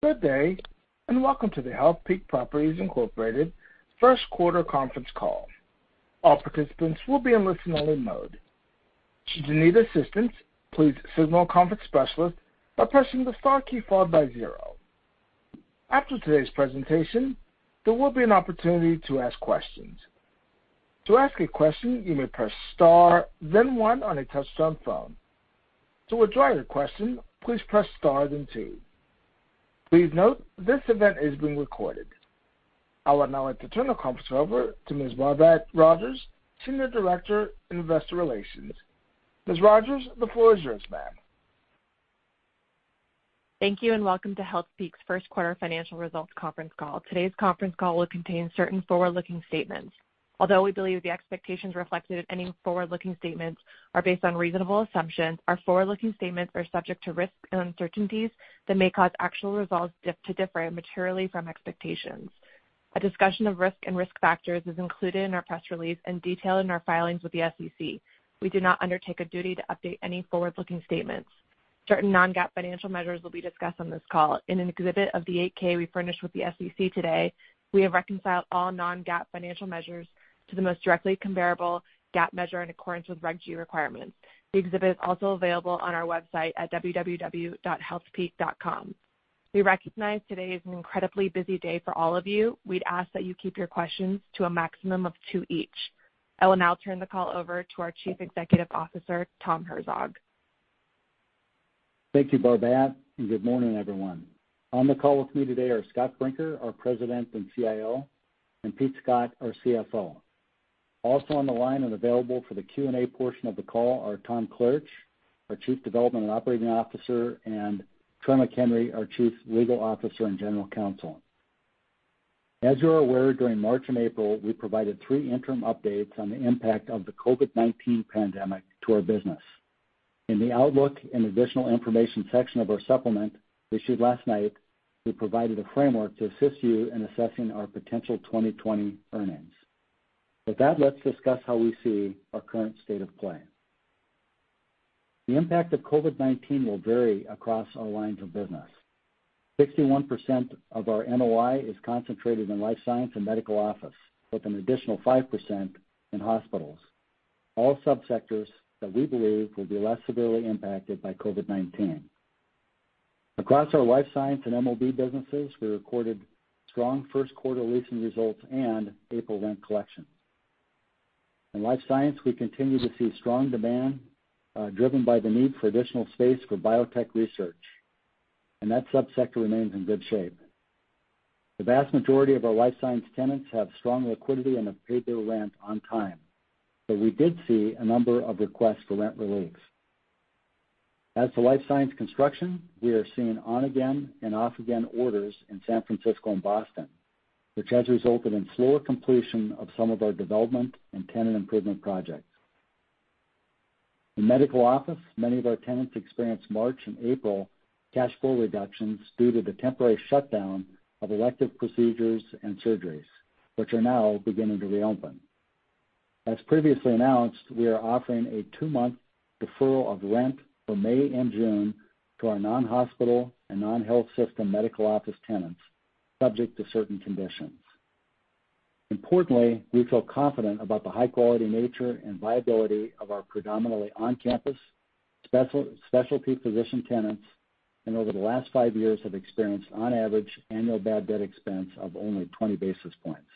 Good day, and welcome to the Healthpeak Properties Incorporated first quarter conference call. All participants will be in listen only mode. Should you need assistance, please signal a conference specialist by pressing the star key followed by zero. After today's presentation, there will be an opportunity to ask questions. To ask a question, you may press star, then one on a touch-tone phone. To withdraw your question, please press star then two. Please note this event is being recorded. I would now like to turn the conference over to Ms. Barbat Rodgers, Senior Director in Investor Relations. Ms. Rodgers, the floor is yours, ma'am. Thank you and welcome to Healthpeak's first quarter financial results conference call. Today's conference call will contain certain forward-looking statements. Although we believe the expectations reflected in any forward-looking statements are based on reasonable assumptions, our forward-looking statements are subject to risks and uncertainties that may cause actual results to differ materially from expectations. A discussion of risk and risk factors is included in our press release and detailed in our filings with the SEC. We do not undertake a duty to update any forward-looking statements. Certain non-GAAP financial measures will be discussed on this call. In an exhibit of the 8-K we furnished with the SEC today, we have reconciled all non-GAAP financial measures to the most directly comparable GAAP measure in accordance with Reg G requirements. The exhibit is also available on our website at www.healthpeak.com. We recognize today is an incredibly busy day for all of you. We'd ask that you keep your questions to a maximum of two each. I will now turn the call over to our Chief Executive Officer, Tom Herzog. Thank you, Barbat, and good morning, everyone. On the call with me today are Scott Brinker, our President and CIO, and Pete Scott, our CFO. Also on the line and available for the Q&A portion of the call are Tom Klaritch, our Chief Development and Operating Officer, and Troy McHenry, our Chief Legal Officer and General Counsel. As you are aware, during March and April, we provided three interim updates on the impact of the COVID-19 pandemic to our business. In the Outlook and Additional Information section of our supplement issued last night, we provided a framework to assist you in assessing our potential 2020 earnings. With that, let's discuss how we see our current state of play. The impact of COVID-19 will vary across our lines of business. 61% of our NOI is concentrated in Life Science and Medical Office, with an additional 5% in hospitals, all sub-sectors that we believe will be less severely impacted by COVID-19. Across our Life Science and MOB businesses, we recorded strong first quarter leasing results and April rent collections. In Life Science, we continue to see strong demand, driven by the need for additional space for biotech research, and that sub-sector remains in good shape. The vast majority of our life science tenants have strong liquidity and have paid their rent on time, but we did see a number of requests for rent reliefs. As for life science construction, we are seeing on again and off again orders in San Francisco and Boston, which has resulted in slower completion of some of our development and tenant improvement projects. In Medical Office, many of our tenants experienced March and April cash flow reductions due to the temporary shutdown of elective procedures and surgeries, which are now beginning to reopen. As previously announced, we are offering a two-month deferral of rent for May and June to our non-hospital and non-health system medical office tenants, subject to certain conditions. Importantly, we feel confident about the high-quality nature and viability of our predominantly on-campus specialty physician tenants, and over the last five years have experienced on average annual bad debt expense of only 20 basis points.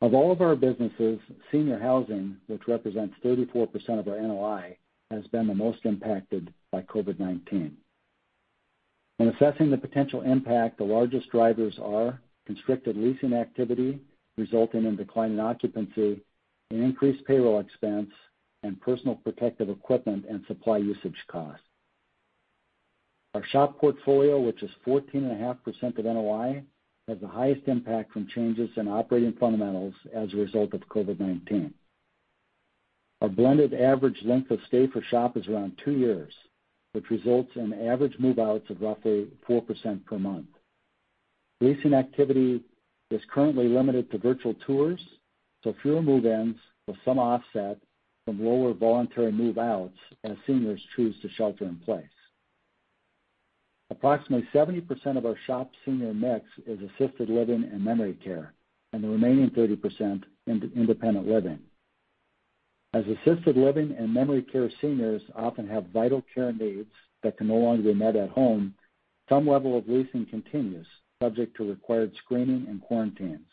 Of all of our businesses, senior housing, which represents 34% of our NOI, has been the most impacted by COVID-19. When assessing the potential impact, the largest drivers are constricted leasing activity resulting in declining occupancy and increased payroll expense and personal protective equipment and supply usage costs. Our SHOP portfolio, which is 14.5% of NOI, has the highest impact from changes in operating fundamentals as a result of COVID-19. Our blended average length of stay for SHOP is around two years, which results in average move-outs of roughly 4% per month. [Based on activity, there's currently limited to virtual tours] to fewer move-ins with some offset from lower voluntary move-outs as seniors choose to shelter in place. Approximately 70% of our SHOP senior mix is assisted living and memory care. The remaining 30% independent living. As assisted living and memory care seniors often have vital care needs that can no longer be met at home, some level of leasing continues, subject to required screening and quarantines.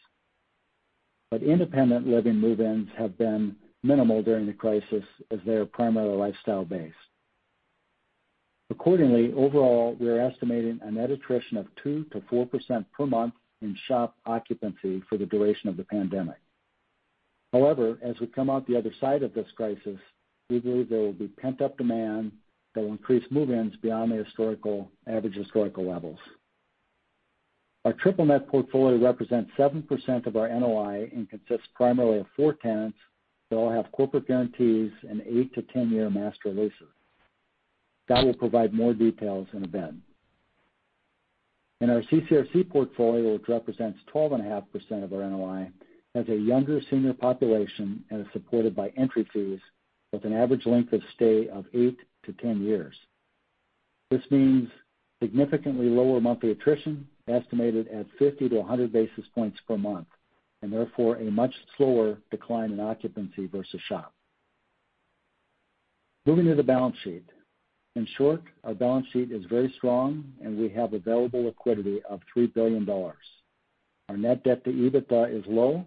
Independent living move-ins have been minimal during the crisis as they are primarily lifestyle-based. Accordingly, overall, we are estimating a net attrition of 2%-4% per month in SHOP occupancy for the duration of the pandemic. As we come out the other side of this crisis, we believe there will be pent-up demand that will increase move-ins beyond the average historical levels. Our triple net portfolio represents 7% of our NOI and consists primarily of four tenants that all have corporate guarantees and eight to 10-year master leases. Scott will provide more details in a bit. Our CCRC portfolio, which represents 12.5% of our NOI, has a younger senior population and is supported by entry fees with an average length of stay of eight to 10 years. This means significantly lower monthly attrition, estimated at 50-100 basis points per month, and therefore a much slower decline in occupancy versus SHOP. Moving to the balance sheet. In short, our balance sheet is very strong, and we have available liquidity of $3 billion. Our net debt to EBITDA is low.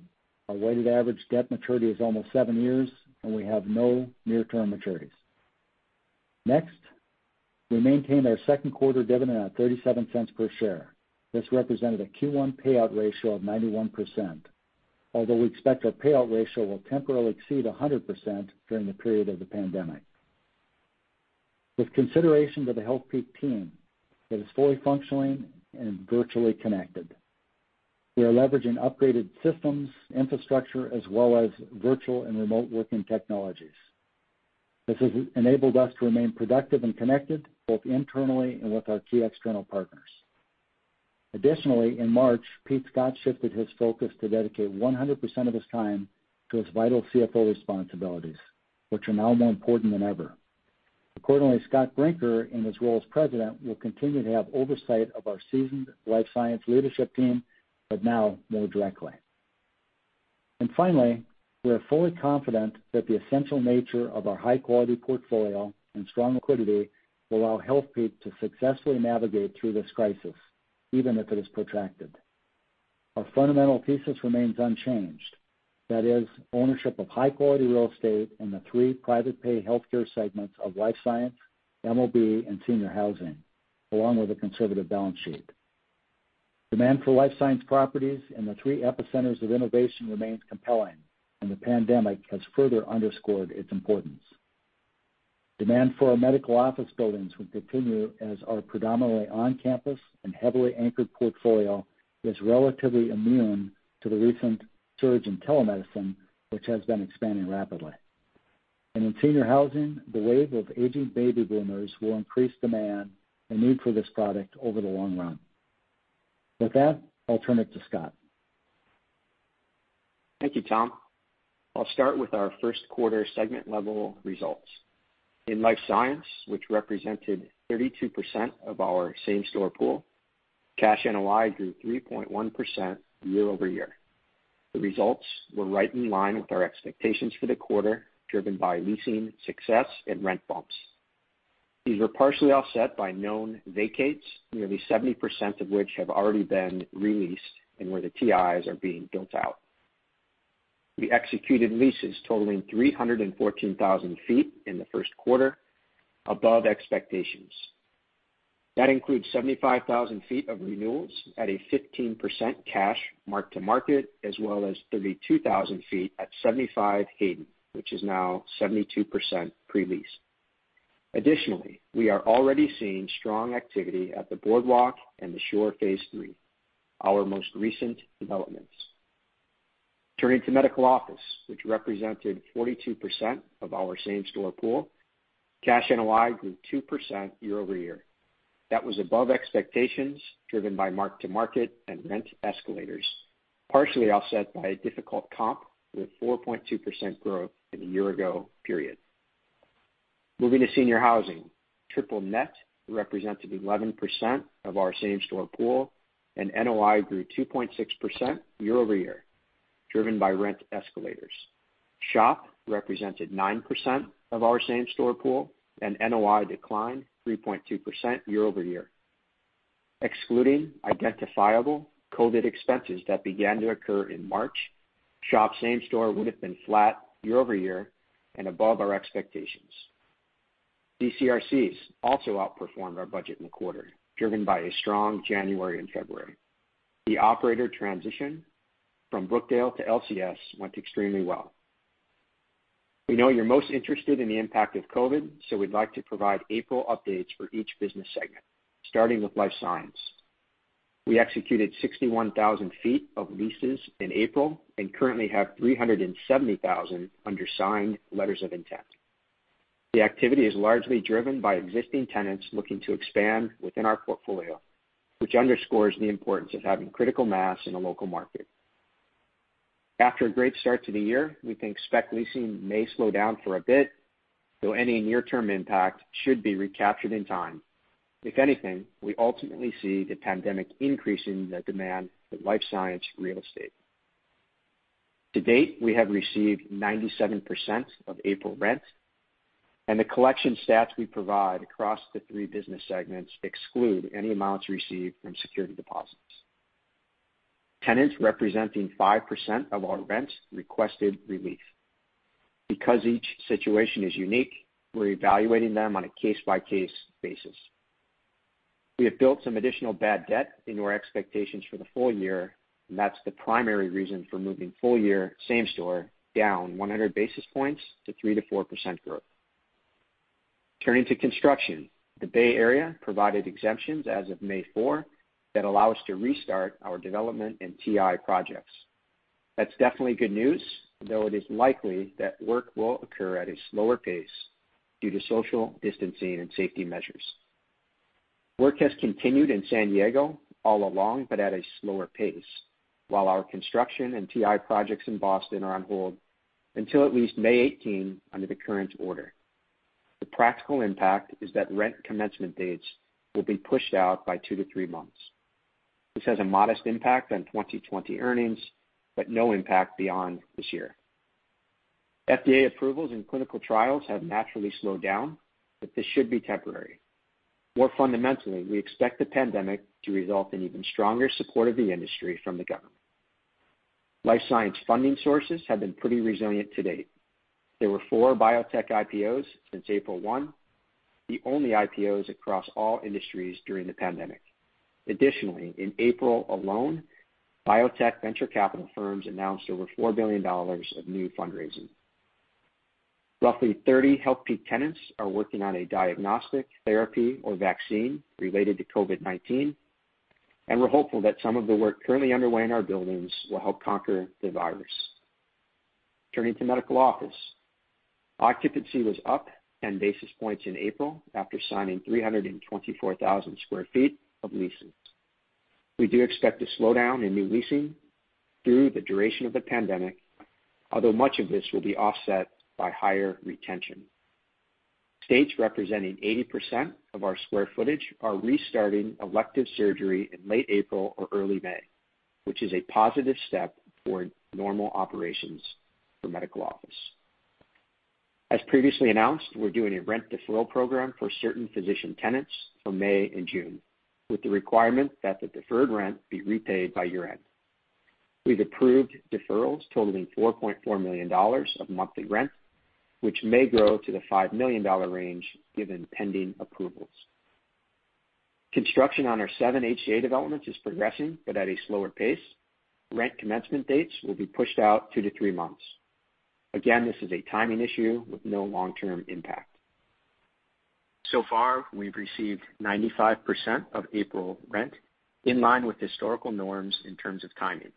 Our weighted average debt maturity is almost seven years, and we have no near-term maturities. Next, we maintained our second quarter dividend at $0.37 per share. This represented a Q1 payout ratio of 91%, although we expect our payout ratio will temporarily exceed 100% during the period of the pandemic. With consideration to the Healthpeak team, it is fully functioning and virtually connected. We are leveraging upgraded systems, infrastructure, as well as virtual and remote working technologies. This has enabled us to remain productive and connected, both internally and with our key external partners. Additionally, in March, Pete Scott shifted his focus to dedicate 100% of his time to his vital CFO responsibilities, which are now more important than ever. Accordingly, Scott Brinker, in his role as President, will continue to have oversight of our seasoned life science leadership team, but now more directly. Finally, we are fully confident that the essential nature of our high-quality portfolio and strong liquidity will allow Healthpeak to successfully navigate through this crisis, even if it is protracted. Our fundamental thesis remains unchanged. That is, ownership of high-quality real estate in the three private pay healthcare segments of Life Science, MOB, and senior housing, along with a conservative balance sheet. Demand for life science properties in the three epicenters of innovation remains compelling, and the pandemic has further underscored its importance. Demand for our medical office buildings will continue as our predominantly on-campus and heavily anchored portfolio is relatively immune to the recent surge of telemedicine, which has been expanding rapidly. In senior housing, the wave of aging baby boomers will increase demand and need for this product over the long run. With that, I'll turn it to Scott. Thank you, Tom. I'll start with our first quarter segment-level results. In Life Science, which represented 32% of our same-store pool, cash NOI grew 3.1% year-over-year. The results were right in line with our expectations for the quarter, driven by leasing success and rent bumps. These were partially offset by known vacates, nearly 70% of which have already been re-leased and where the TIs are being built out. We executed leases totaling 314,000 feet in the first quarter, above expectations. That includes 75,000 feet of renewals at a 15% cash mark-to-market, as well as 32,000 feet at 75 Hayden, which is now 72% pre-lease. Additionally, we are already seeing strong activity at The Boardwalk and The Shore Phase III, our most recent developments. Turning to Medical Office, which represented 42% of our same-store pool, cash NOI grew 2% year-over-year. That was above expectations driven by mark-to-market and rent escalators, partially offset by a difficult comp with 4.2% growth in the year-ago period. Moving to senior housing. Triple net represented 11% of our same-store pool, and NOI grew 2.6% year-over-year, driven by rent escalators. SHOP represented 9% of our same-store pool, and NOI declined 3.2% year-over-year. Excluding identifiable COVID-19 expenses that began to occur in March, SHOP same store would have been flat year-over-year and above our expectations. CCRCs also outperformed our budget in the quarter, driven by a strong January and February. The operator transition from Brookdale to LCS went extremely well. We know you're most interested in the impact of COVID-19, so we'd like to provide April updates for each business segment, starting with Life Science. We executed 61,000 feet of leases in April and currently have 370,000 under signed letters of intent. The activity is largely driven by existing tenants looking to expand within our portfolio, which underscores the importance of having critical mass in a local market. After a great start to the year, we can expect leasing may slow down for a bit, though any near-term impact should be recaptured in time. If anything, we ultimately see the pandemic increasing the demand for life science real estate. To date, we have received 97% of April rent, and the collection stats we provide across the three business segments exclude any amounts received from security deposits. Tenants representing 5% of our rent requested relief. Because each situation is unique, we're evaluating them on a case-by-case basis. We have built some additional bad debt into our expectations for the full year. That's the primary reason for moving full-year same store down 100 basis points to 3% to 4% growth. Turning to construction. The Bay Area provided exemptions as of May 4 that allow us to restart our development and TI projects. That's definitely good news, though it is likely that work will occur at a slower pace due to social distancing and safety measures. Work has continued in San Diego all along, but at a slower pace, while our construction and TI projects in Boston are on hold until at least May 18 under the current order. The practical impact is that rent commencement dates will be pushed out by two to three months. This has a modest impact on 2020 earnings, but no impact beyond this year. FDA approvals and clinical trials have naturally slowed down. This should be temporary. More fundamentally, we expect the pandemic to result in even stronger support of the industry from the government. Life science funding sources have been pretty resilient to date. There were four biotech IPOs since April 1, the only IPOs across all industries during the pandemic. Additionally, in April alone, biotech venture capital firms announced over $4 billion of new fundraising. Roughly 30 Healthpeak tenants are working on a diagnostic therapy or vaccine related to COVID-19. We're hopeful that some of the work currently underway in our buildings will help conquer the virus. Turning to Medical Office. Occupancy was up 10 basis points in April after signing 324,000 square feet of leases. We do expect a slowdown in new leasing through the duration of the pandemic, although much of this will be offset by higher retention. States representing 80% of our square footage are restarting elective surgery in late April or early May, which is a positive step toward normal operations for Medical Office. As previously announced, we're doing a rent deferral program for certain physician tenants for May and June, with the requirement that the deferred rent be repaid by year-end. We've approved deferrals totaling $4.4 million of monthly rent, which may grow to the $5 million range given pending approvals. Construction on our seven HCA developments is progressing, at a slower pace. Rent commencement dates will be pushed out 2 to 3 months. Again, this is a timing issue with no long-term impact. So far, we've received 95% of April rent, in line with historical norms in terms of timing.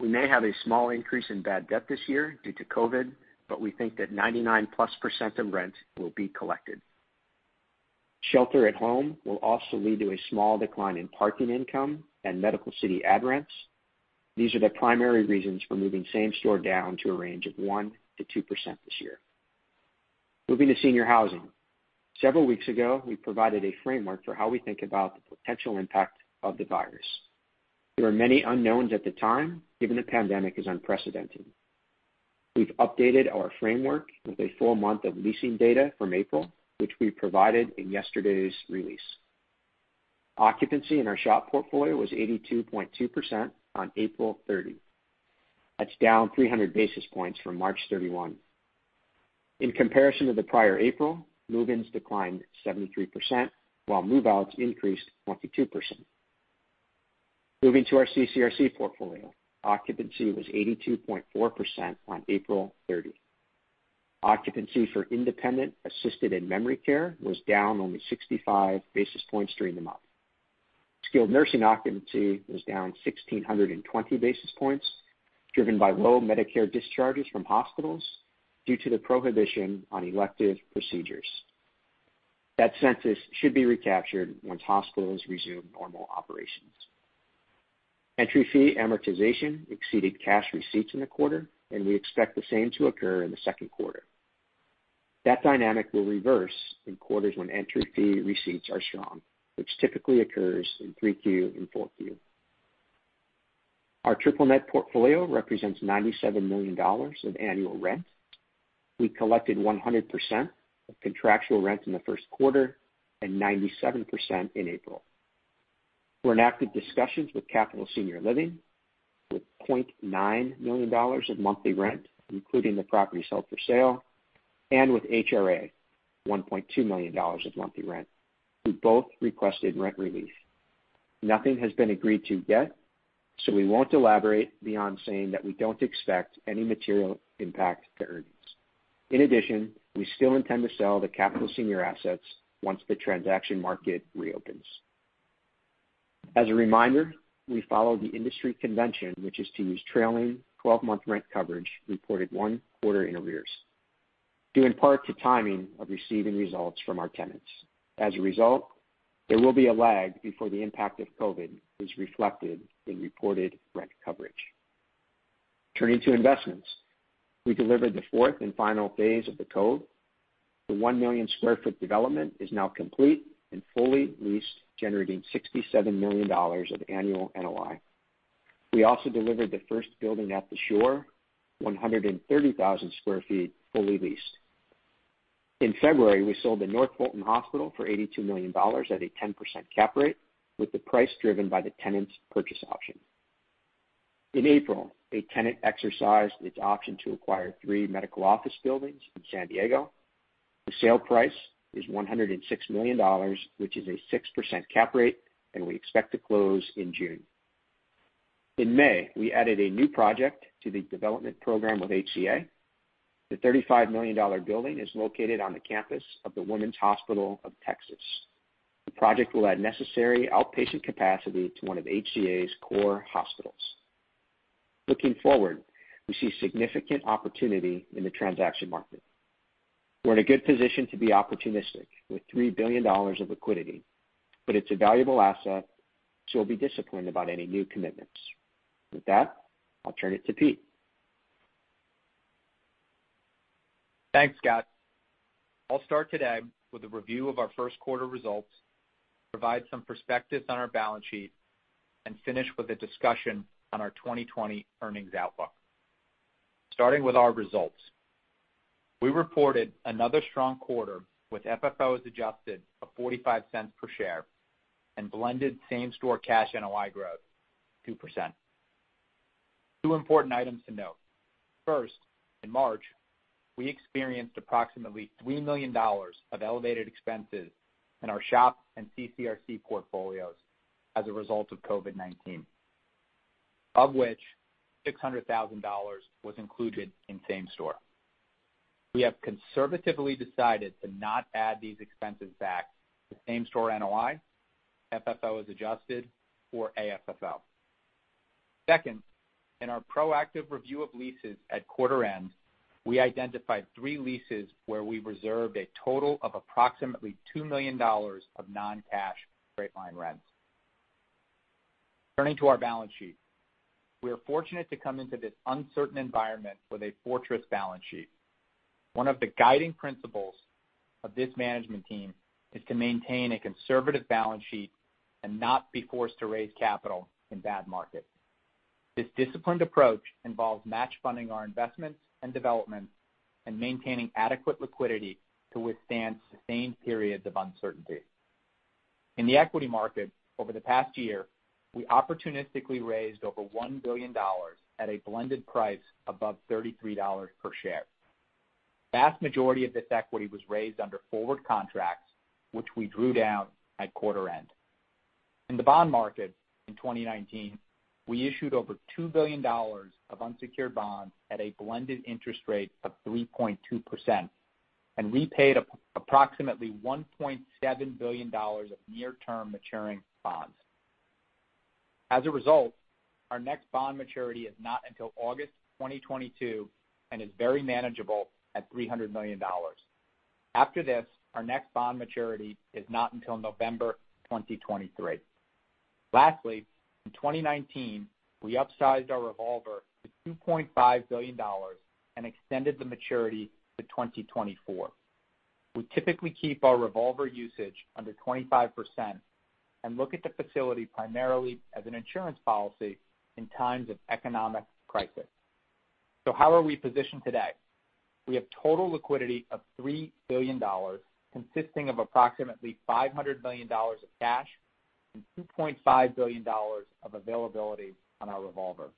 We may have a small increase in bad debt this year due to COVID-19, but we think that 99% plus of rent will be collected. Shelter at home will also lead to a small decline in parking income and Medical City ad rents. These are the primary reasons for moving same store down to a range of 1%-2% this year. Moving to senior housing. Several weeks ago, we provided a framework for how we think about the potential impact of the virus. There were many unknowns at the time, given the pandemic is unprecedented. We've updated our framework with a full month of leasing data from April, which we provided in yesterday's release. Occupancy in our SHOP portfolio was 82.2% on April 30. That's down 300 basis points from March 31. In comparison to the prior April, move-ins declined 73%, while move-outs increased 22%. Moving to our CCRC portfolio, occupancy was 82.4% on April 30. Occupancy for independent, assisted, and memory care was down only 65 basis points during the month. Skilled nursing occupancy was down 1,620 basis points, driven by low Medicare discharges from hospitals due to the prohibition on elective procedures. That census should be recaptured once hospitals resume normal operations. Entry fee amortization exceeded cash receipts in the quarter, and we expect the same to occur in the second quarter. That dynamic will reverse in quarters when entry fee receipts are strong, which typically occurs in Q3 and Q4. Our triple net portfolio represents $97 million in annual rent. We collected 100% of contractual rent in the first quarter and 97% in April. We're in active discussions with Capital Senior Living with $20.9 million of monthly rent, including the property sold for sale, and with HRA, $1.2 million of monthly rent, who both requested rent relief. Nothing has been agreed to yet, so we won't elaborate beyond saying that we don't expect any material impact to earnings. In addition, we still intend to sell the Capital Senior assets once the transaction market reopens. As a reminder, we follow the industry convention, which is to use trailing 12-month rent coverage reported one quarter in arrears, due in part to timing of receiving results from our tenants. As a result, there will be a lag before the impact of COVID is reflected in reported rent coverage. Turning to investments. We delivered the fourth and final phase of The Cove. The 1 million sq ft development is now complete and fully leased, generating $67 million of annual NOI. We also delivered the first building at The Shore, 130,000 sq ft fully leased. In February, we sold the North Fulton Hospital for $82 million at a 10% cap rate, with the price driven by the tenant's purchase option. In April, a tenant exercised its option to acquire three medical office buildings in San Diego. The sale price is $106 million, which is a 6% cap rate, and we expect to close in June. In May, we added a new project to the development program with HCA. The $35 million building is located on the campus of The Woman's Hospital of Texas. The project will add necessary outpatient capacity to one of HCA's core hospitals. Looking forward, we see significant opportunity in the transaction market. We're in a good position to be opportunistic with $3 billion of liquidity. It's a valuable asset, we'll be disciplined about any new commitments. With that, I'll turn it to Pete. Thanks, Scott. I'll start today with a review of our first quarter results, provide some perspective on our balance sheet, and finish with a discussion on our 2020 earnings outlook. Starting with our results. We reported another strong quarter with FFO as adjusted of $0.45 per share and blended same store cash NOI growth 2%. Two important items to note. First, in March, we experienced approximately $3 million of elevated expenses in our SHOP and CCRC portfolios as a result of COVID-19, of which $600,000 was included in same store. We have conservatively decided to not add these expenses back to same store NOI, FFO as Adjusted or AFFO. Second, in our proactive review of leases at quarter end, we identified three leases where we reserved a total of approximately $2 million of non-cash straight line rents. Turning to our balance sheet. We are fortunate to come into this uncertain environment with a fortress balance sheet. One of the guiding principles of this management team is to maintain a conservative balance sheet and not be forced to raise capital in bad markets. This disciplined approach involves match funding our investments and developments and maintaining adequate liquidity to withstand sustained periods of uncertainty. In the equity market over the past year, we opportunistically raised over $1 billion at a blended price above $33 per share. Vast majority of this equity was raised under forward contracts, which we drew down at quarter end. In the bond market in 2019, we issued over $2 billion of unsecured bonds at a blended interest rate of 3.2% and repaid approximately $1.7 billion of near term maturing bonds. As a result, our next bond maturity is not until August 2022 and is very manageable at $300 million. After this, our next bond maturity is not until November 2023. Lastly, in 2019, we upsized our revolver to $2.5 billion and extended the maturity to 2024. We typically keep our revolver usage under 25% and look at the facility primarily as an insurance policy in times of economic crisis. How are we positioned today? We have total liquidity of $3 billion, consisting of approximately $500 million of cash and $2.5 billion of availability on our revolver.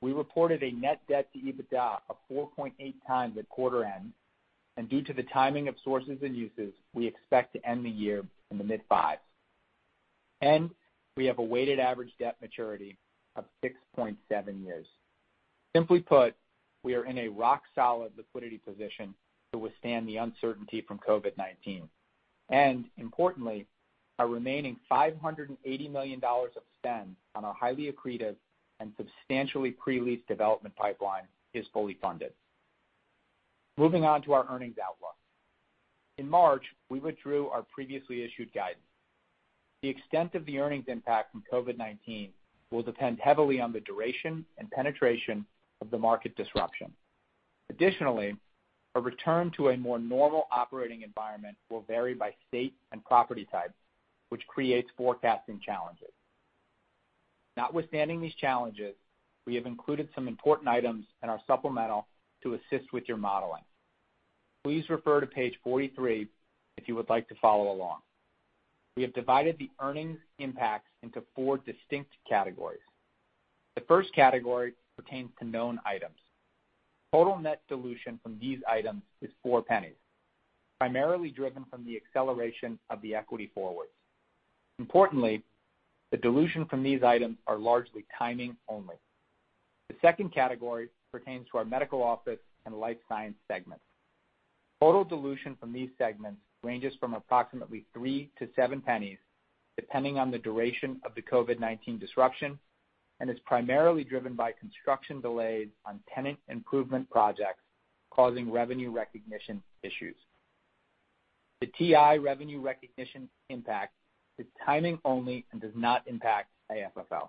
We reported a net debt to EBITDA of 4.8 times at quarter end, and due to the timing of sources and uses, we expect to end the year in the mid fives. We have a weighted average debt maturity of 6.7 years. Simply put, we are in a rock solid liquidity position to withstand the uncertainty from COVID-19. Importantly, our remaining $580 million of spend on our highly accretive and substantially pre-leased development pipeline is fully funded. Moving on to our earnings outlook. In March, we withdrew our previously issued guidance. The extent of the earnings impact from COVID-19 will depend heavily on the duration and penetration of the market disruption. Additionally, a return to a more normal operating environment will vary by state and property types, which creates forecasting challenges. Notwithstanding these challenges, we have included some important items in our supplemental to assist with your modeling. Please refer to page 43 if you would like to follow along. We have divided the earnings impacts into four distinct categories. The first category pertains to known items. Total net dilution from these items is $0.04, primarily driven from the acceleration of the equity forwards. Importantly, the dilution from these items are largely timing only. The second category pertains to our Medical Office and Life Science segment. Total dilution from these segments ranges from approximately $0.03-$0.07, depending on the duration of the COVID-19 disruption, and is primarily driven by construction delays on tenant improvement projects causing revenue recognition issues. The TI revenue recognition impact is timing only and does not impact AFFO.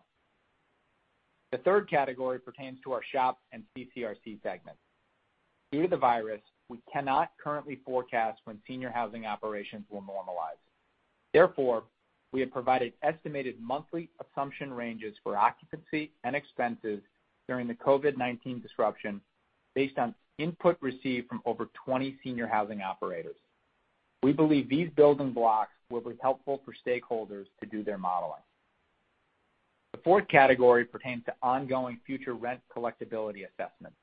The third category pertains to our SHOP and CCRC segment. Due to the virus, we cannot currently forecast when senior housing operations will normalize. Therefore, we have provided estimated monthly assumption ranges for occupancy and expenses during the COVID-19 disruption based on input received from over 20 senior housing operators. We believe these building blocks will be helpful for stakeholders to do their modeling. The fourth category pertains to ongoing future rent collectibility assessments.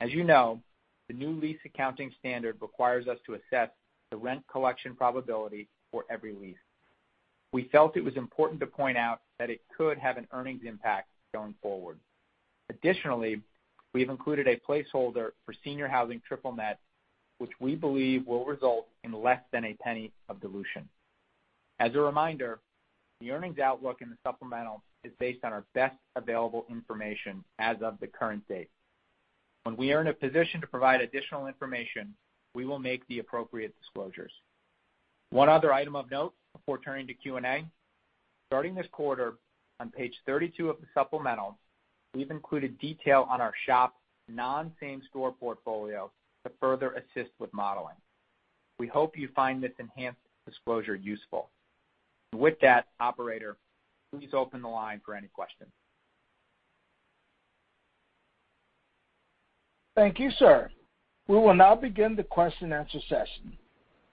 As you know, the new lease accounting standard requires us to assess the rent collection probability for every lease. We felt it was important to point out that it could have an earnings impact going forward. Additionally, we've included a placeholder for senior housing triple net, which we believe will result in less than $0.01 of dilution. As a reminder, the earnings outlook in the supplemental is based on our best available information as of the current date. When we are in a position to provide additional information, we will make the appropriate disclosures. One other item of note before turning to Q&A. Starting this quarter, on page 32 of the supplemental, we've included detail on our SHOP non-same store portfolio to further assist with modeling. We hope you find this enhanced disclosure useful. With that, operator, please open the line for any questions. Thank you, sir. We will now begin the question and answer session.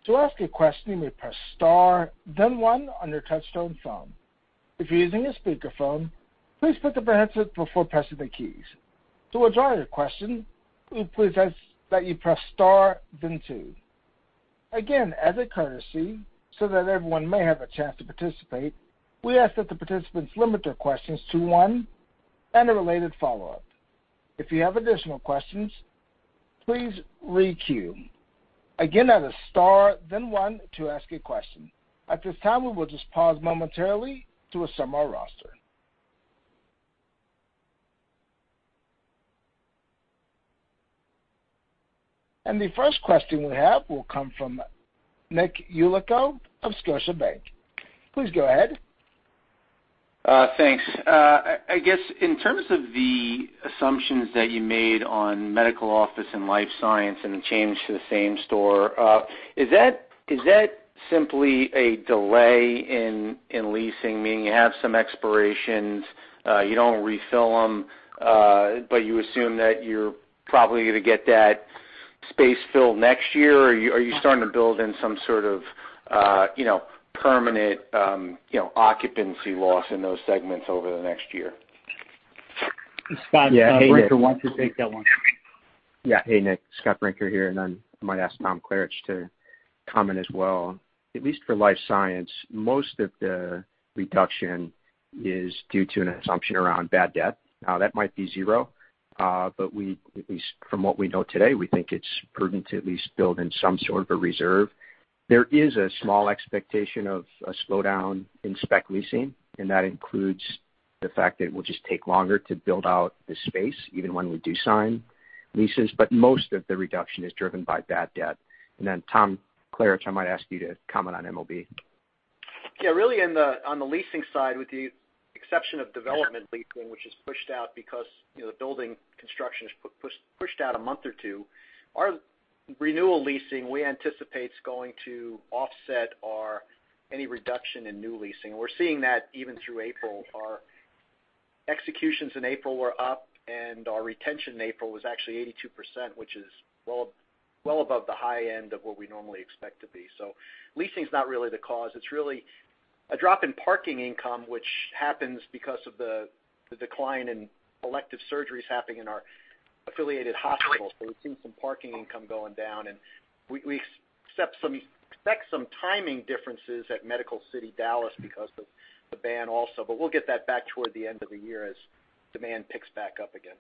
To ask a question, you may press star then one on your touchtone phone. If you're using a speakerphone, please put the handset before pressing the keys. To withdraw your question, we please ask that you press star then two. As a courtesy, so that everyone may have a chance to participate, we ask that the participants limit their questions to one and a related follow-up. If you have additional questions, please re-queue. That is star then one to ask a question. At this time, we will just pause momentarily to assemble our roster. The first question we have will come from Nick Yulico of Scotiabank. Please go ahead. Thanks. I guess in terms of the assumptions that you made on Medical Office and Life Science and the change to the same store, is that simply a delay in leasing, meaning you have some expirations, you don't refill them, but you assume that you're probably going to get that space filled next year? Are you starting to build in some sort of permanent occupancy loss in those segments over the next year? Hey, Nick, why don't you take that one? Hey, Nick. Scott Brinker here. I might ask Tom Klaritch to comment as well. At least for Life Science, most of the reduction is due to an assumption around bad debt. That might be zero. At least from what we know today, we think it's prudent to at least build in some sort of a reserve. There is a small expectation of a slowdown in spec leasing. That includes the fact that it will just take longer to build out the space even when we do sign leases. Most of the reduction is driven by bad debt. Tom Klaritch, I might ask you to comment on MOB. Really on the leasing side, with the exception of development leasing, which is pushed out because the building construction is pushed out a month or two, our renewal leasing, we anticipate is going to offset our any reduction in new leasing. We're seeing that even through April. Our executions in April were up, and our retention in April was actually 82%, which is well above the high end of what we normally expect to be. Leasing is not really the cause. It's really a drop in parking income, which happens because of the decline in elective surgeries happening in our affiliated hospitals. We've seen some parking income going down, and we expect some timing differences at Medical City Dallas because of the ban also. We'll get that back toward the end of the year as demand picks back up again.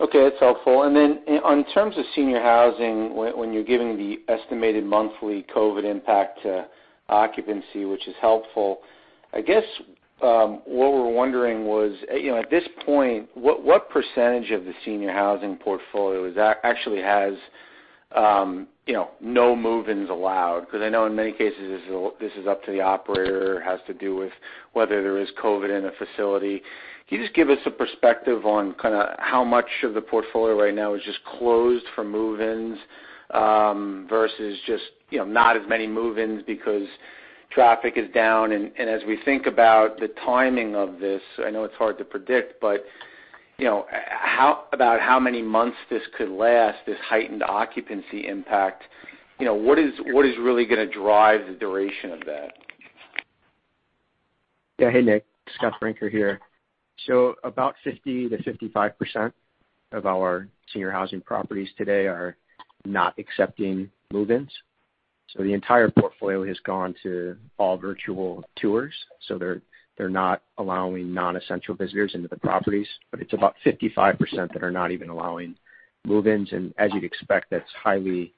Okay. That's helpful. In terms of senior housing, when you're giving the estimated monthly COVID impact to occupancy, which is helpful, I guess what we're wondering was, at this point, what % of the senior housing portfolio actually has no move-ins allowed? I know in many cases, this is up to the operator, has to do with whether there is COVID in a facility. Can you just give us a perspective on kind of how much of the portfolio right now is just closed for move-ins versus just not as many move-ins because traffic is down, and as we think about the timing of this, I know it's hard to predict, but about how many months this could last, this heightened occupancy impact, what is really going to drive the duration of that? Yeah. Hey, Nick. Scott Brinker here. About 50%-55% of our senior housing properties today are not accepting move-ins. The entire portfolio has gone to all virtual tours, so they're not allowing non-essential visitors into the properties, but it's about 55% that are not even allowing move-ins, and as you'd expect, that's highly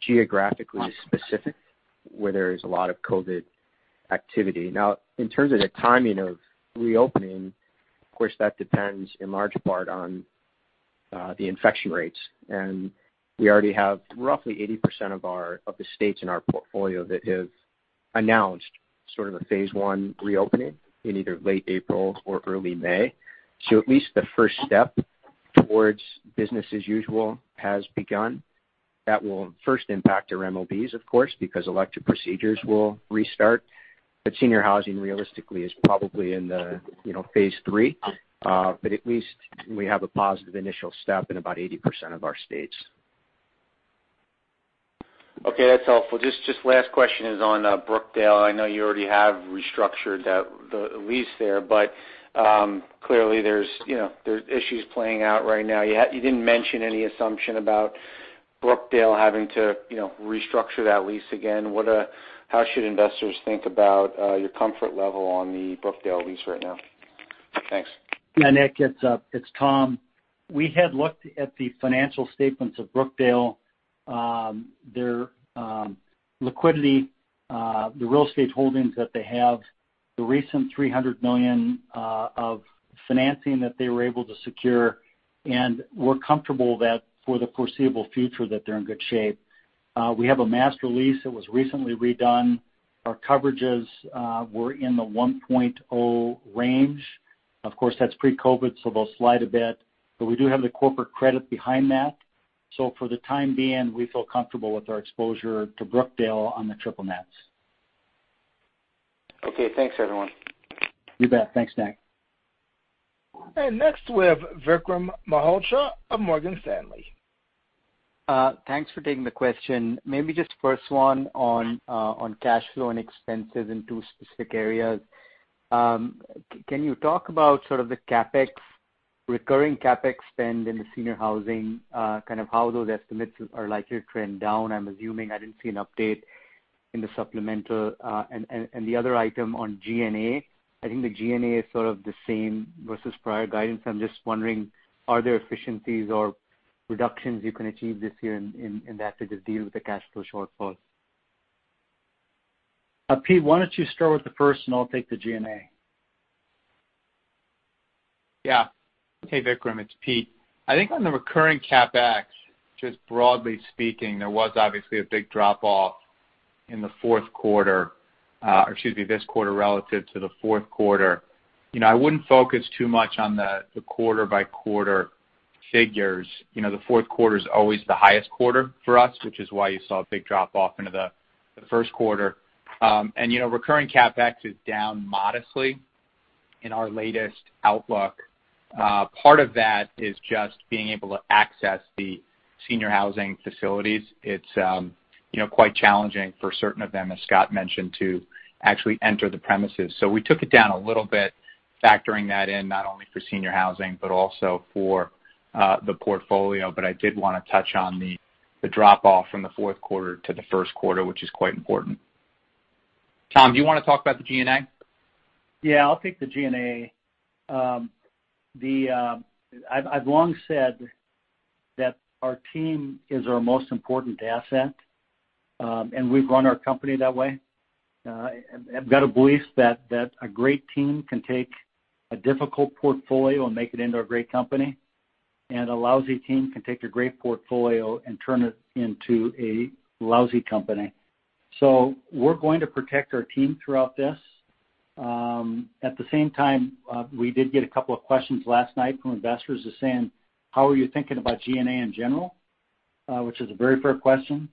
geographically specific where there is a lot of COVID activity. Now, in terms of the timing of reopening, of course, that depends in large part on the infection rates. We already have roughly 80% of the states in our portfolio that have announced sort of a phase 1 reopening in either late April or early May. At least the first step towards business as usual has begun. That will first impact our MOBs, of course, because elective procedures will restart. Senior housing realistically is probably in the phase III. At least we have a positive initial step in about 80% of our states. Okay. That's helpful. Just last question is on Brookdale. I know you already have restructured the lease there, but clearly there's issues playing out right now. You didn't mention any assumption about. Brookdale having to restructure that lease again. How should investors think about your comfort level on the Brookdale lease right now? Thanks. Nick, it's Tom. We had looked at the financial statements of Brookdale, their liquidity, the real estate holdings that they have, the recent $300 million of financing that they were able to secure, and we're comfortable that for the foreseeable future, that they're in good shape. We have a master lease that was recently redone. Our coverages were in the 1.0 range. Of course, that's pre-COVID-19, so they'll slide a bit, but we do have the corporate credit behind that. For the time being, we feel comfortable with our exposure to Brookdale on the triple nets. Okay, thanks, everyone. You bet. Thanks, Nick. Next, we have Vikram Malhotra of Morgan Stanley. Thanks for taking the question. Maybe just first one on cash flow and expenses in two specific areas. Can you talk about sort of the recurring CapEx spend in the senior housing, kind of how those estimates are likely to trend down? I'm assuming I didn't see an update in the supplemental. The other item on G&A. I think the G&A is sort of the same versus prior guidance. I'm just wondering, are there efficiencies or reductions you can achieve this year in that to just deal with the cash flow shortfalls? Pete, why don't you start with the first, and I'll take the G&A? Yeah. Hey, Vikram, it's Pete. I think on the recurring CapEx, just broadly speaking, there was obviously a big drop-off in the fourth quarter— or excuse me, this quarter relative to the fourth quarter. I wouldn't focus too much on the quarter-by-quarter figures. The fourth quarter is always the highest quarter for us, which is why you saw a big drop-off into the first quarter. Recurring CapEx is down modestly in our latest outlook. Part of that is just being able to access the senior housing facilities. It's quite challenging for certain of them, as Scott mentioned, to actually enter the premises. We took it down a little bit, factoring that in, not only for senior housing but also for the portfolio. I did want to touch on the drop-off from the fourth quarter to the first quarter, which is quite important. Tom, do you want to talk about the G&A? Yeah, I'll take the G&A. I've long said that our team is our most important asset, and we've run our company that way. I've got a belief that a great team can take a difficult portfolio and make it into a great company, and a lousy team can take a great portfolio and turn it into a lousy company. We're going to protect our team throughout this. At the same time we did get a couple of questions last night from investors just saying, "How are you thinking about G&A in general?" Which is a very fair question,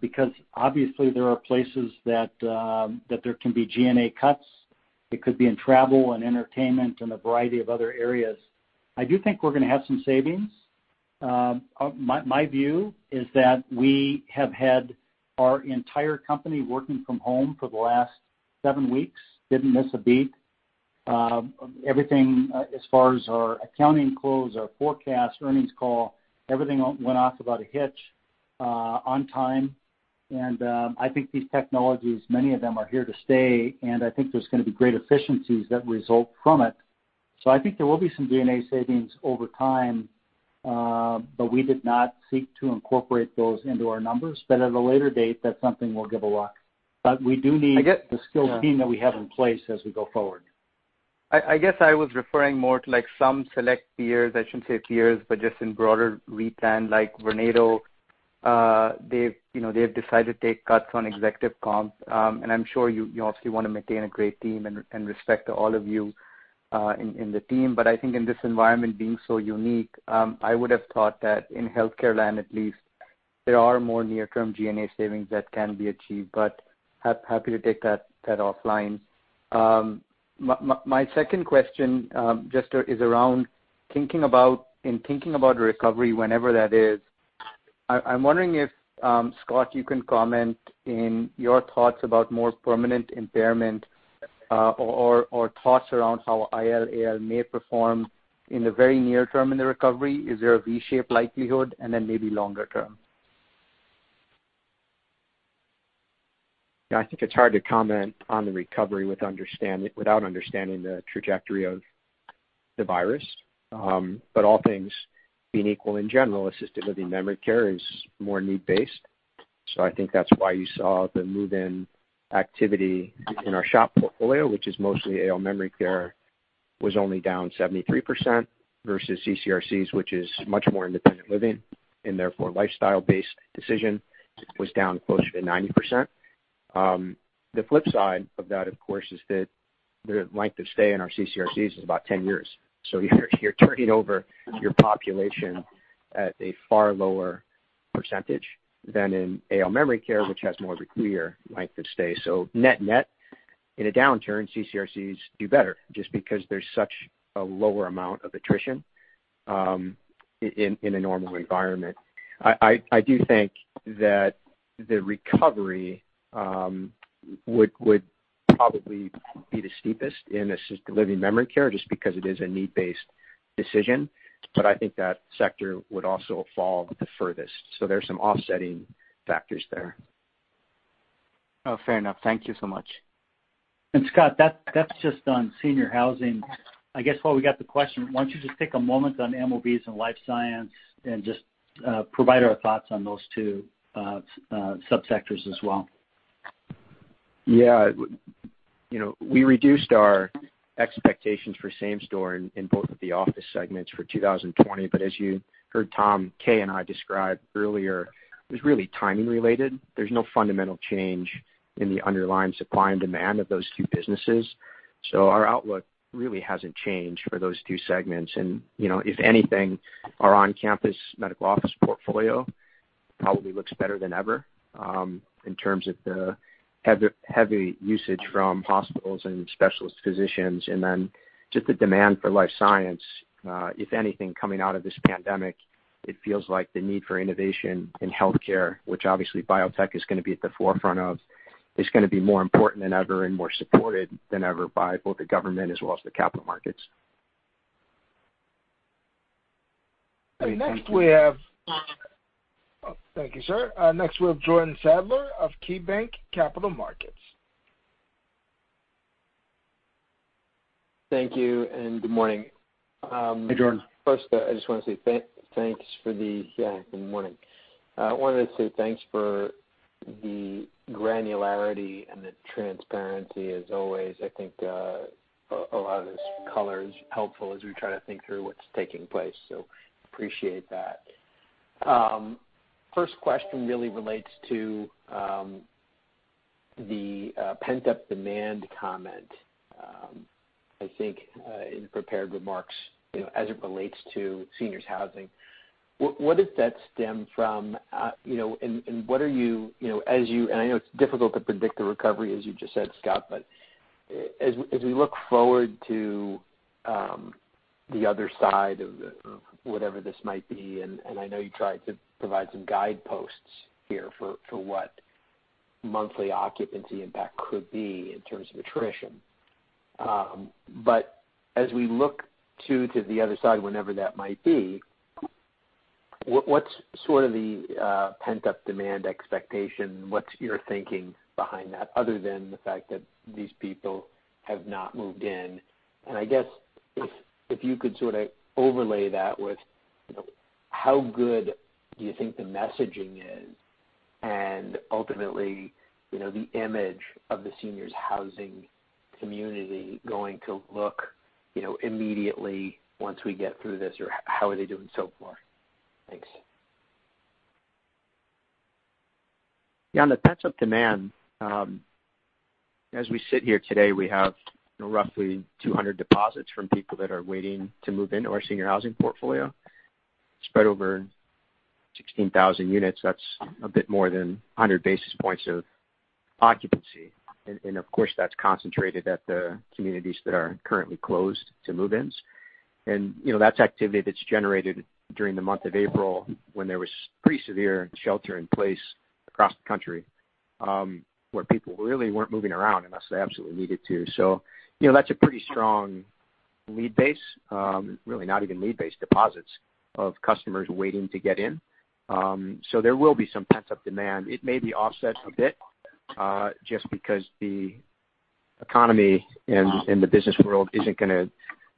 because obviously there are places that there can be G&A cuts. It could be in travel and entertainment and a variety of other areas. I do think we're going to have some savings. My view is that we have had our entire company working from home for the last seven weeks, didn't miss a beat. Everything as far as our accounting close, our forecast, earnings call, everything went off without a hitch, on time. I think these technologies, many of them are here to stay, and I think there's going to be great efficiencies that result from it. I think there will be some G&A savings over time, but we did not seek to incorporate those into our numbers. At a later date, that's something we'll give a look. I get- The skilled team that we have in place as we go forward. I guess I was referring more to some select peers. I shouldn't say peers, but just in broader REIT land, like Vornado, they've decided to take cuts on executive comp. I'm sure you obviously want to maintain a great team and respect to all of you in the team. I think in this environment being so unique, I would have thought that in healthcare land, at least, there are more near-term G&A savings that can be achieved, but happy to take that offline. My second question just is around in thinking about recovery, whenever that is, I'm wondering if, Scott, you can comment in your thoughts about more permanent impairment or thoughts around how IL/AL may perform in the very near term in the recovery. Is there a V-shaped likelihood? Then maybe longer term? I think it's hard to comment on the recovery without understanding the trajectory of the virus. All things being equal, in general, assisted living memory care is more need-based. I think that's why you saw the move-in activity in our SHOP portfolio, which is mostly AL memory care, was only down 73%, versus CCRCs, which is much more independent living, and therefore lifestyle-based decision was down closer to 90%. The flip side of that, of course, is that the length of stay in our CCRCs is about 10 years. You're turning over your population at a far lower percentage than in AL memory care, which has more of a clear length of stay. Net-net, in a downturn, CCRCs do better just because there's such a lower amount of attrition in a normal environment. I do think that the recovery would probably be the steepest in assisted living memory care, just because it is a need-based decision. I think that sector would also fall the furthest. There's some offsetting factors there. Oh, fair enough. Thank you so much. Scott, that's just on senior housing. I guess while we got the question, why don't you just take a moment on MOBs and life science and just provide our thoughts on those two sub-sectors as well? Yeah. We reduced our expectations for same store in both of the office segments for 2020. As you heard Tom K. and I describe earlier, it was really timing related. There's no fundamental change in the underlying supply and demand of those two businesses. Our outlook really hasn't changed for those two segments. If anything, our on-campus Medical Office portfolio probably looks better than ever, in terms of the heavy usage from hospitals and specialist physicians. Just the demand for life science, if anything, coming out of this pandemic, it feels like the need for innovation in healthcare, which obviously biotech is going to be at the forefront of, is going to be more important than ever and more supported than ever by both the government as well as the capital markets. Okay. Thank you. Oh, thank you, sir. Next we have Jordan Sadler of KeyBanc Capital Markets. Thank you, and good morning. Hey, Jordan. Yeah. Good morning. I wanted to say thanks for the granularity and the transparency as always. I think a lot of this color is helpful as we try to think through what's taking place, so appreciate that. First question really relates to the pent-up demand comment, I think, in prepared remarks, as it relates to seniors housing. What does that stem from? I know it's difficult to predict the recovery, as you just said, Scott, but as we look forward to the other side of whatever this might be, and I know you tried to provide some guideposts here for what monthly occupancy impact could be in terms of attrition. As we look to the other side, whenever that might be, what's sort of the pent-up demand expectation? What's your thinking behind that, other than the fact that these people have not moved in? I guess if you could sort of overlay that with how good you think the messaging is and ultimately, the image of the seniors housing community going to look immediately once we get through this, or how are they doing so far? Thanks. On the pent-up demand, as we sit here today, we have roughly 200 deposits from people that are waiting to move into our senior housing portfolio, spread over 16,000 units. That's a bit more than 100 basis points of occupancy. Of course, that's concentrated at the communities that are currently closed to move-ins. That's activity that's generated during the month of April, when there was pretty severe shelter in place across the country, where people really weren't moving around unless they absolutely needed to. That's a pretty strong lead base. Really not even lead base, deposits of customers waiting to get in. There will be some pent-up demand. It may be offset a bit, just because the economy and the business world isn't going to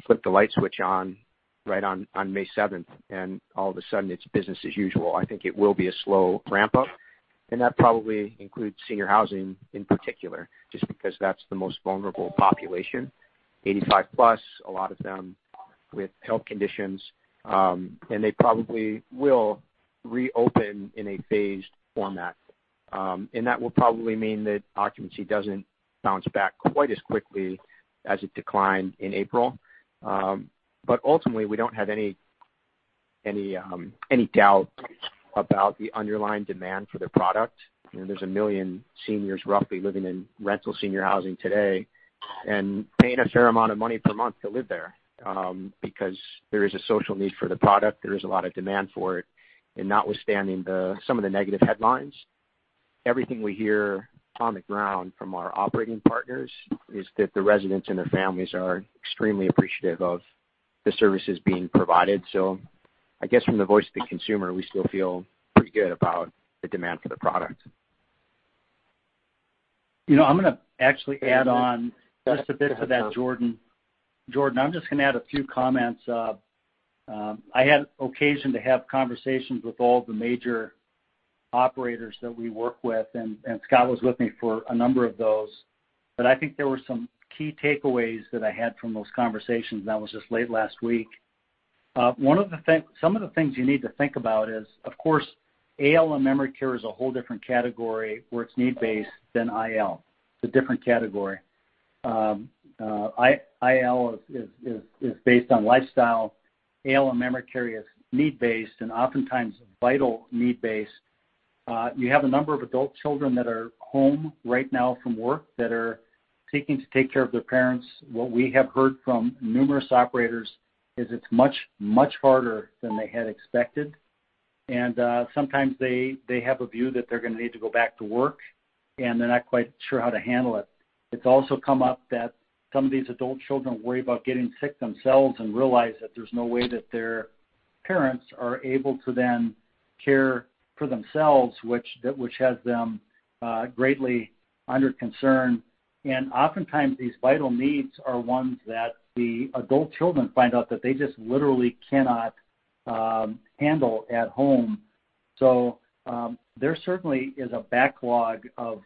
flip the light switch on right on May 7th, and all of a sudden it's business as usual. I think it will be a slow ramp-up. That probably includes senior housing in particular, just because that's the most vulnerable population, 85+, a lot of them with health conditions. They probably will reopen in a phased format. That will probably mean that occupancy doesn't bounce back quite as quickly as it declined in April. Ultimately, we don't have any doubt about the underlying demand for the product. There's one million seniors roughly living in rental senior housing today and paying a fair amount of money per month to live there, because there is a social need for the product. There is a lot of demand for it. Notwithstanding some of the negative headlines, everything we hear on the ground from our operating partners is that the residents and their families are extremely appreciative of the services being provided. I guess from the voice of the consumer, we still feel pretty good about the demand for the product. I'm going to actually add on just a bit to that, Jordan. Jordan, I'm just going to add a few comments. I had occasion to have conversations with all of the major operators that we work with, and Scott was with me for a number of those. I think there were some key takeaways that I had from those conversations, and that was just late last week. Some of the things you need to think about is, of course, AL and memory care is a whole different category where it's need-based than IL. It's a different category. IL is based on lifestyle. AL and memory care is need-based, and oftentimes vital need-based. You have a number of adult children that are home right now from work that are seeking to take care of their parents. What we have heard from numerous operators is it's much, much harder than they had expected. Sometimes they have a view that they're going to need to go back to work, and they're not quite sure how to handle it. It's also come up that some of these adult children worry about getting sick themselves and realize that there's no way that their parents are able to then care for themselves, which has them greatly under concern. Oftentimes these vital needs are ones that the adult children find out that they just literally cannot handle at home. There certainly is a backlog of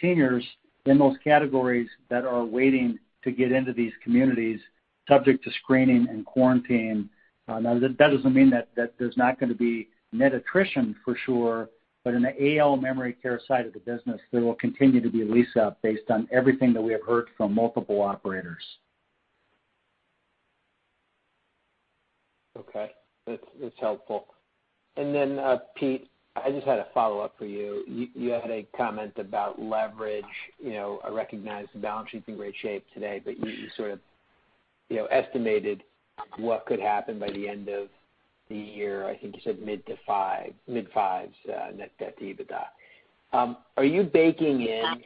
seniors in those categories that are waiting to get into these communities, subject to screening and quarantine. That doesn't mean that there's not going to be net attrition for sure, but in the AL memory care side of the business, there will continue to be a lease-up based on everything that we have heard from multiple operators. Okay. That's helpful. Pete, I just had a follow-up for you. You had a comment about leverage, I recognize the balance sheet's in great shape today, but you sort of estimated what could happen by the end of the year. I think you said mid to five, mid fives, net debt to EBITDA. Are you baking in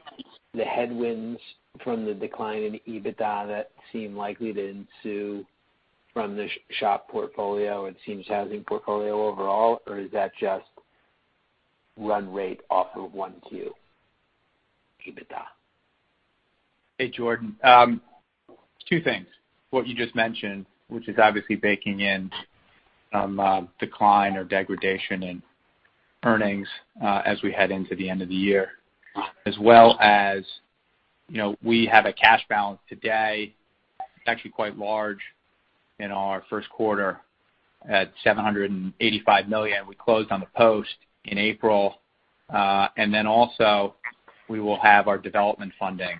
the headwinds from the decline in EBITDA that seem likely to ensue from the SHOP portfolio and seniors housing portfolio overall? Is that just run rate off of 1Q EBITDA? Hey, Jordan. Two things. What you just mentioned, which is obviously baking in some decline or degradation in earnings as we head into the end of the year. As well as we have a cash balance today, it's actually quite large in our first quarter at $785 million. We closed on the post in April. Also we will have our development funding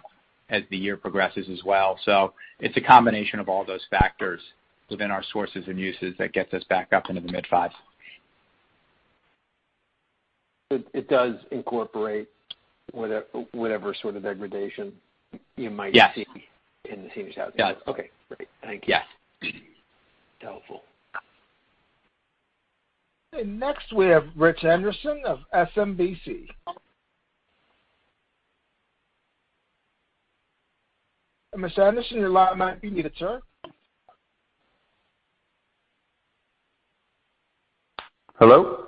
as the year progresses as well. It's a combination of all those factors within our sources and uses that gets us back up into the mid fives. It does incorporate whatever sort of degradation you might see. Yes. In the seniors housing. Yes. Okay, great. Thank you. Yes. Helpful. Next we have Rich Anderson of SMBC. Mr. Anderson, your line might be muted, sir. Hello?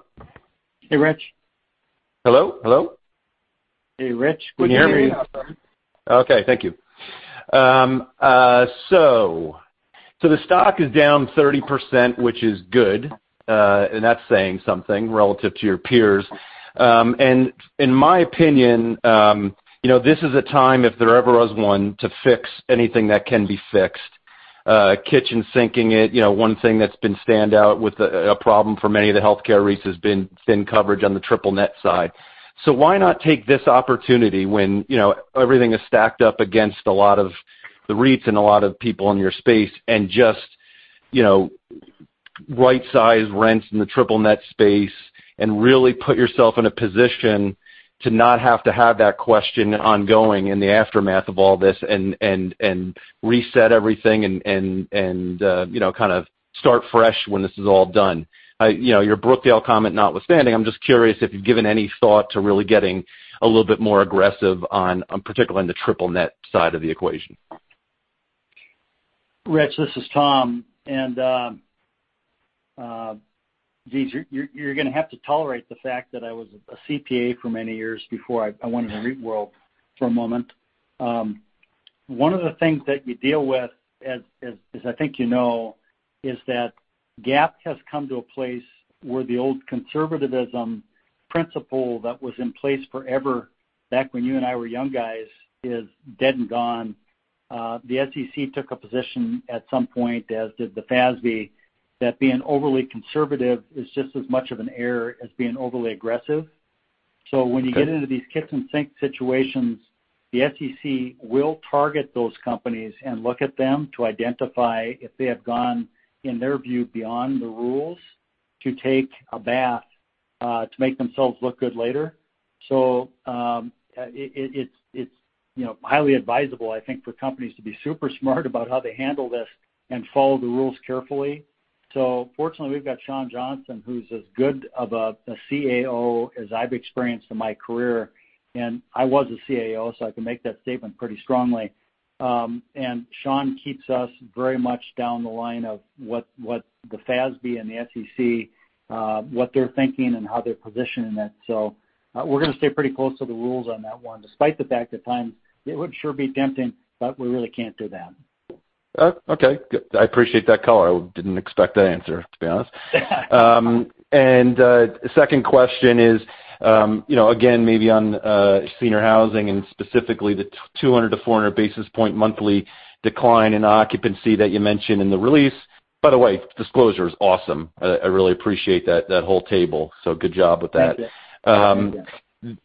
Hey, Rich. Hello, hello? Hey, Rich. Can you hear me? Okay, thank you. The stock is down 30%, which is good, and that's saying something relative to your peers. In my opinion, this is a time if there ever was one, to fix anything that can be fixed. Kitchen-sinking it, one thing that's been standout with a problem for many of the healthcare REITs has been thin coverage on the triple net side. Why not take this opportunity when everything is stacked up against a lot of the REITs and a lot of people in your space and just right-size rents in the triple net space and really put yourself in a position to not have to have that question ongoing in the aftermath of all this and reset everything and kind of start fresh when this is all done. Your Brookdale comment notwithstanding, I'm just curious if you've given any thought to really getting a little bit more aggressive particularly on the triple net side of the equation? Rich, this is Tom. Jeez, you're going to have to tolerate the fact that I was a CPA for many years before I went in the REIT world for a moment. One of the things that you deal with, as I think you know, is that GAAP has come to a place where the old conservativism principle that was in place forever back when you and I were young guys is dead and gone. The SEC took a position at some point, as did the FASB, that being overly conservative is just as much of an error as being overly aggressive. When you get into these kitchen sink situations, the SEC will target those companies and look at them to identify if they have gone, in their view, beyond the rules to take a bath, to make themselves look good later. It's highly advisable, I think, for companies to be super smart about how they handle this and follow the rules carefully. Fortunately, we've got Shawn Johnston, who's as good of a CAO as I've experienced in my career, and I was a CAO, so I can make that statement pretty strongly. Shawn keeps us very much down the line of what the FASB and the SEC, what they're thinking and how they're positioning it. We're going to stay pretty close to the rules on that one, despite the fact at times it would sure be tempting, but we really can't do that. Okay. I appreciate that color. I didn't expect that answer, to be honest. The second question is, again, maybe on senior housing and specifically the 200-400 basis point monthly decline in occupancy that you mentioned in the release. By the way, disclosure is awesome. I really appreciate that whole table, so good job with that. Thank you.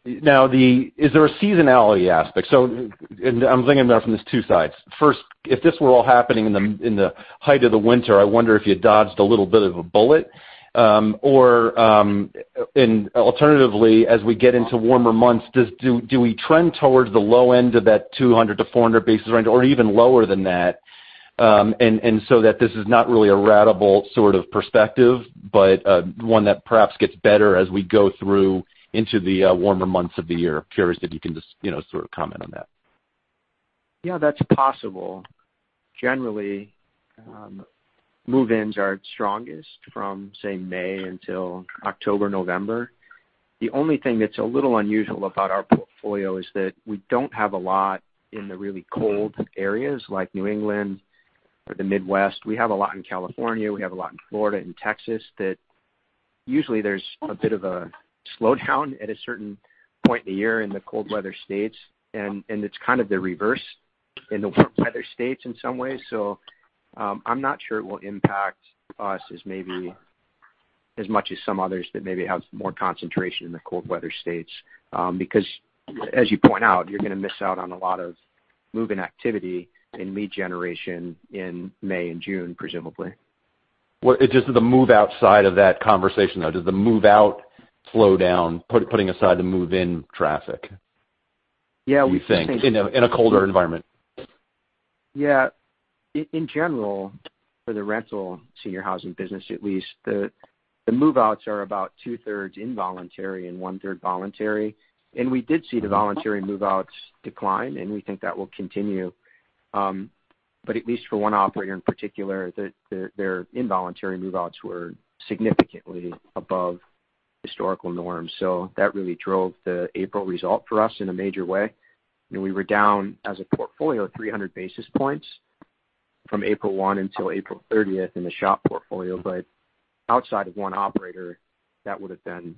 Is there a seasonality aspect? I'm thinking about it from these two sides. First, if this were all happening in the height of the winter, I wonder if you dodged a little bit of a bullet. Alternatively, as we get into warmer months, do we trend towards the low end of that 200 to 400 basis range or even lower than that? That this is not really a ratable sort of perspective, but one that perhaps gets better as we go through into the warmer months of the year. Curious if you can just sort of comment on that. Yeah, that's possible. Generally, move-ins are strongest from, say, May until October, November. The only thing that's a little unusual about our portfolio is that we don't have a lot in the really cold areas like New England or the Midwest. We have a lot in California, we have a lot in Florida and Texas that usually there's a bit of a slowdown at a certain point in the year in the cold weather states, and it's kind of the reverse in the warm weather states in some ways. I'm not sure it will impact us as much as some others that maybe have more concentration in the cold weather states. Because as you point out, you're going to miss out on a lot of move-in activity and lead generation in May and June, presumably. Well, is the move-out side of that conversation, though? Does the move-out slow down, putting aside the move-in traffic? Yeah. Do you think, in a colder environment? Yeah. In general, for the rental senior housing business at least, the move-outs are about two-thirds involuntary and one-third voluntary. We did see the voluntary move-outs decline, and we think that will continue. At least for one operator in particular, their involuntary move-outs were significantly above historical norms. That really drove the April result for us in a major way. We were down as a portfolio 300 basis points from April 1 until April 30th in the SHOP portfolio. Outside of one operator, that would've been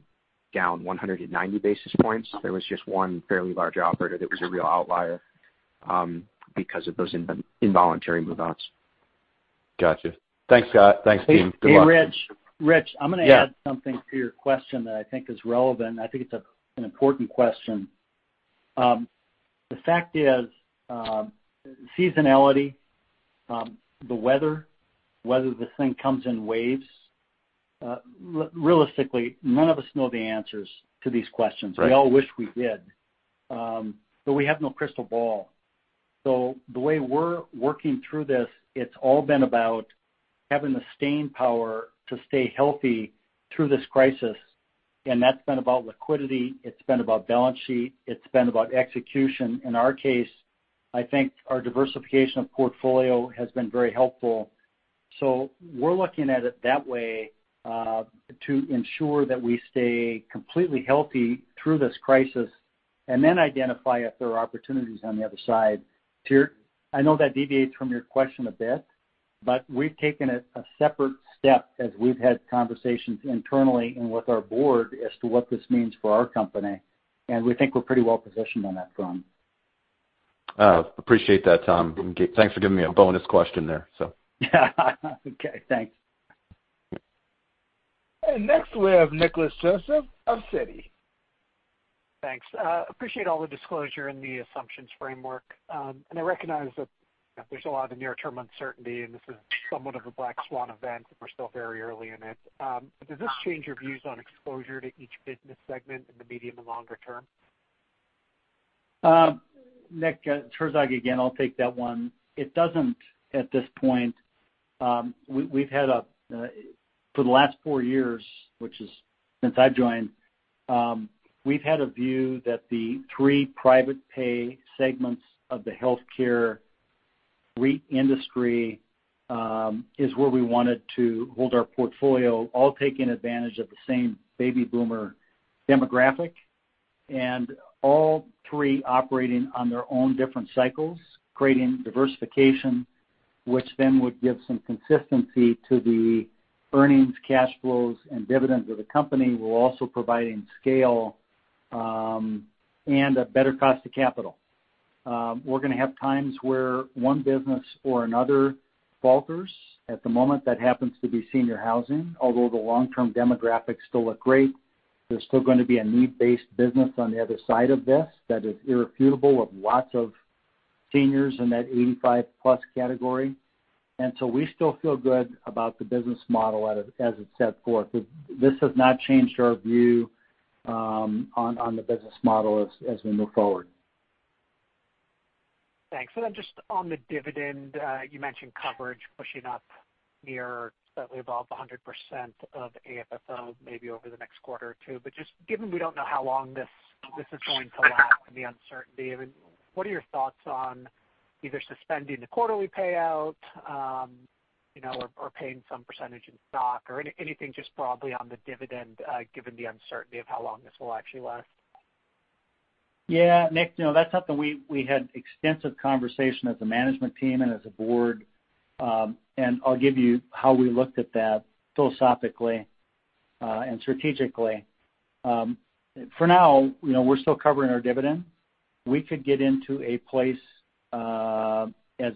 down 190 basis points. There was just one fairly large operator that was a real outlier because of those involuntary move-outs. Got you. Thanks, team. Goodbye. Hey, Rich. Yeah. I'm going to add something to your question that I think is relevant, and I think it's an important question. The fact is, seasonality, the weather, whether this thing comes in waves, realistically, none of us know the answers to these questions. Right. We all wish we did. We have no crystal ball. The way we're working through this, it's all been about having the staying power to stay healthy through this crisis, and that's been about liquidity, it's been about balance sheet, it's been about execution. In our case, I think our diversification of portfolio has been very helpful. We're looking at it that way, to ensure that we stay completely healthy through this crisis, and then identify if there are opportunities on the other side. I know that deviates from your question a bit, but we've taken it a separate step as we've had conversations internally and with our board as to what this means for our company, and we think we're pretty well positioned on that front. Appreciate that, Tom. Thanks for giving me a bonus question there. Okay, thanks. Next we have Nicholas Joseph of Citi. Thanks. Appreciate all the disclosure and the assumptions framework. I recognize that there's a lot of near-term uncertainty, and this is somewhat of a black swan event, and we're still very early in it. Does this change your views on exposure to each business segment in the medium and longer term? Nick, [Herzog] again. I'll take that one. It doesn't at this point. For the last four years, which is since I've joined, we've had a view that the three private pay segments of the healthcare REIT industry is where we wanted to hold our portfolio, all taking advantage of the same baby boomer demographic, and all three operating on their own different cycles, creating diversification, which then would give some consistency to the earnings, cash flows, and dividends of the company, while also providing scale and a better cost of capital. We're going to have times where one business or another falters. At the moment, that happens to be senior housing, although the long-term demographics still look great. There's still going to be a need-based business on the other side of this that is irrefutable with lots of seniors in that 85-plus category. We still feel good about the business model as it's set forth. This has not changed our view on the business model as we move forward. Thanks. Just on the dividend, you mentioned coverage pushing up near, slightly above 100% of AFFO maybe over the next quarter or two. Just given we don't know how long this is going to last and the uncertainty, what are your thoughts on either suspending the quarterly payout or paying some percentage in stock, or anything just broadly on the dividend given the uncertainty of how long this will actually last? Yeah. Nick, that's something we had extensive conversation as a management team and as a board. I'll give you how we looked at that philosophically and strategically. For now, we're still covering our dividend. We could get into a place as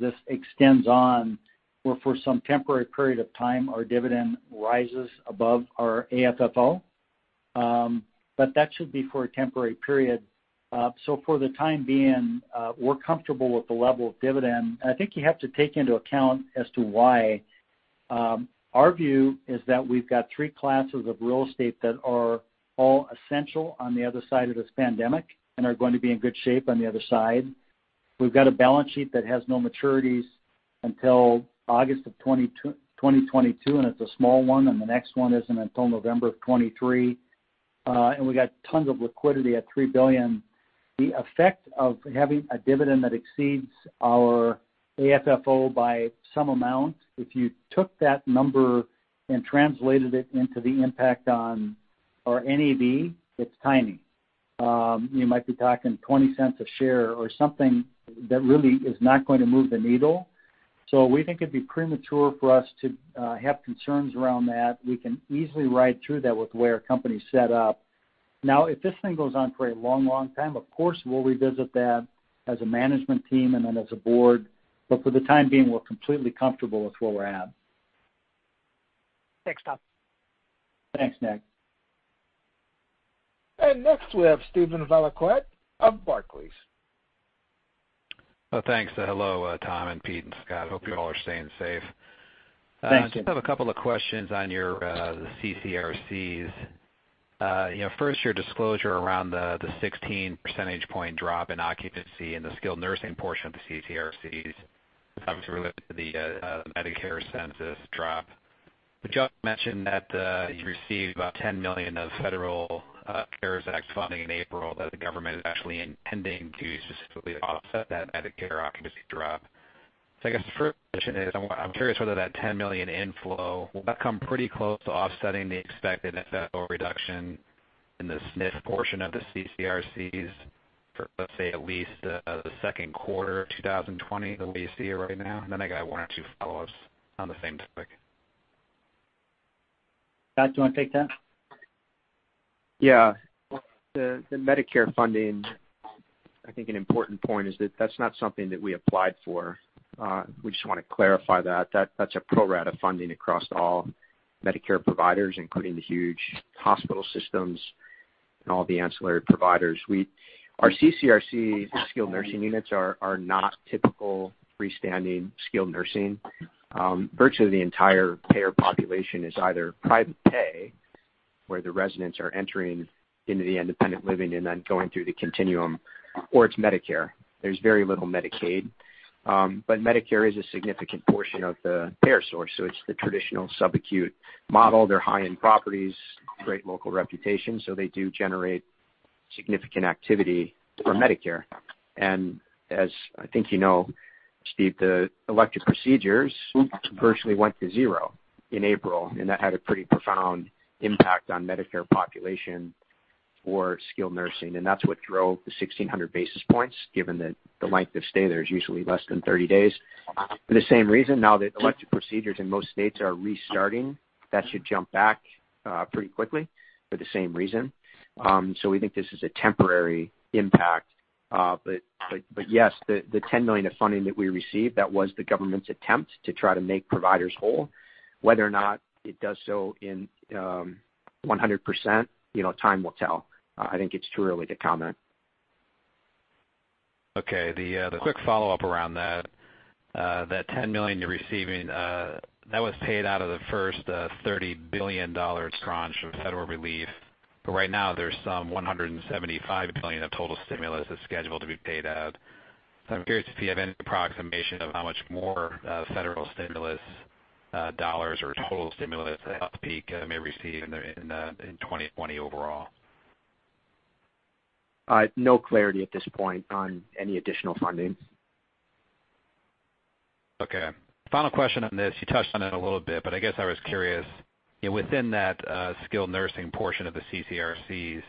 this extends on where for some temporary period of time our dividend rises above our AFFO. That should be for a temporary period. For the time being, we're comfortable with the level of dividend. I think you have to take into account as to why. Our view is that we've got three classes of real estate that are all essential on the other side of this pandemic and are going to be in good shape on the other side. We've got a balance sheet that has no maturities until August of 2022, and it's a small one, and the next one isn't until November of 2023. We got tons of liquidity at $3 billion. The effect of having a dividend that exceeds our AFFO by some amount, if you took that number and translated it into the impact on our NAV, it's tiny. You might be talking $0.20 a share or something that really is not going to move the needle. We think it'd be premature for us to have concerns around that. We can easily ride through that with the way our company's set up. Now, if this thing goes on for a long time, of course, we'll revisit that as a management team and then as a board. For the time being, we're completely comfortable with where we're at. Thanks, Tom. Thanks, Nick. Next we have Steven Valiquette of Barclays. Thanks. Hello, Tom and Pete and Scott. Hope you all are staying safe. Thanks, Steve. Just have a couple of questions on your CCRCs. First, your disclosure around the 16 percentage point drop in occupancy in the skilled nursing portion of the CCRCs. It's obviously related to the Medicare census drop. [Scott] mentioned that you received about $10 million of federal CARES Act funding in April that the government is actually intending to specifically offset that Medicare occupancy drop. I guess the first question is, I'm curious whether that $10 million inflow will come pretty close to offsetting the expected FFO reduction in the SNF portion of the CCRCs for, let's say, at least the second quarter of 2020, the way you see it right now? I got one or two follow-ups on the same topic. Scott, do you want to take that? Yeah. The Medicare funding, I think an important point is that that's not something that we applied for. We just want to clarify that. That's a pro rata funding across all Medicare providers, including the huge hospital systems and all the ancillary providers. Our CCRC skilled nursing units are not typical freestanding skilled nursing. Virtually the entire payer population is either private pay, where the residents are entering into the independent living and then going through the continuum, or it's Medicare. There's very little Medicaid. Medicare is a significant portion of the payer source, so it's the traditional sub-acute model. They're high-end properties, great local reputation, so they do generate significant activity for Medicare. As I think you know, Steve, the elective procedures virtually went to zero in April, and that had a pretty profound impact on Medicare population for skilled nursing, and that's what drove the 1,600 basis points, given that the length of stay there is usually less than 30 days. For the same reason, now that elective procedures in most states are restarting, that should jump back pretty quickly for the same reason. We think this is a temporary impact. Yes, the $10 million of funding that we received, that was the government's attempt to try to make providers whole. Whether or not it does so in 100%, time will tell. I think it's too early to comment. Okay. The quick follow-up around that. That $10 million you're receiving, that was paid out of the first $30 billion tranche of federal relief. Right now there's some $175 billion of total stimulus that's scheduled to be paid out. I'm curious if you have any approximation of how much more federal stimulus dollars or total stimulus that Healthpeak may receive in 2020 overall? No clarity at this point on any additional funding. Okay. Final question on this. You touched on it a little bit, but I guess I was curious. Within that skilled nursing portion of the CCRCs,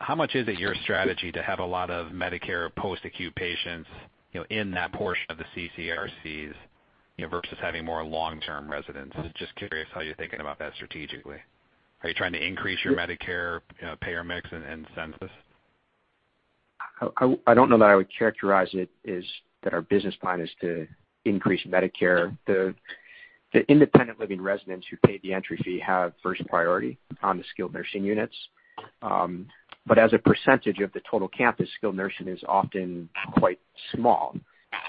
how much is it your strategy to have a lot of Medicare post-acute patients in that portion of the CCRCs versus having more long-term residents? Just curious how you're thinking about that strategically. Are you trying to increase your Medicare payer mix and census? I don't know that I would characterize it is that our business plan is to increase Medicare. The independent living residents who pay the entry fee have first priority on the skilled nursing units. As a % of the total campus, skilled nursing is often quite small.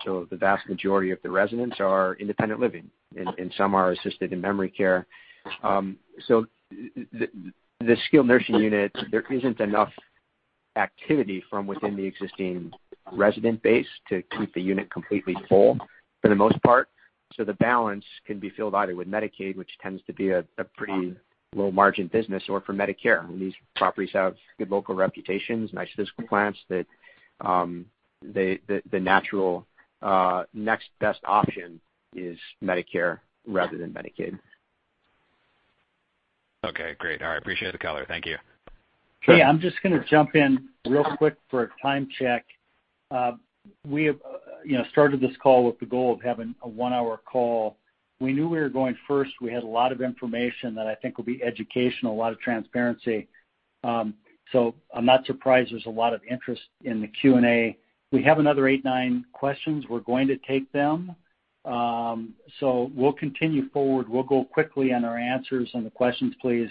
The vast majority of the residents are independent living, and some are assisted in memory care. The skilled nursing unit, there isn't enough activity from within the existing resident base to keep the unit completely full for the most part. The balance can be filled either with Medicaid, which tends to be a pretty low-margin business, or for Medicare. These properties have good local reputations, nice physical plants that the natural next best option is Medicare rather than Medicaid. Okay, great. All right. Appreciate the color. Thank you. Hey, I'm just going to jump in real quick for a time check. We started this call with the goal of having a one-hour call. We knew we were going first. We had a lot of information that I think will be educational, a lot of transparency. I'm not surprised there's a lot of interest in the Q&A. We have another eight, nine questions. We're going to take them. We'll continue forward. We'll go quickly on our answers on the questions, please.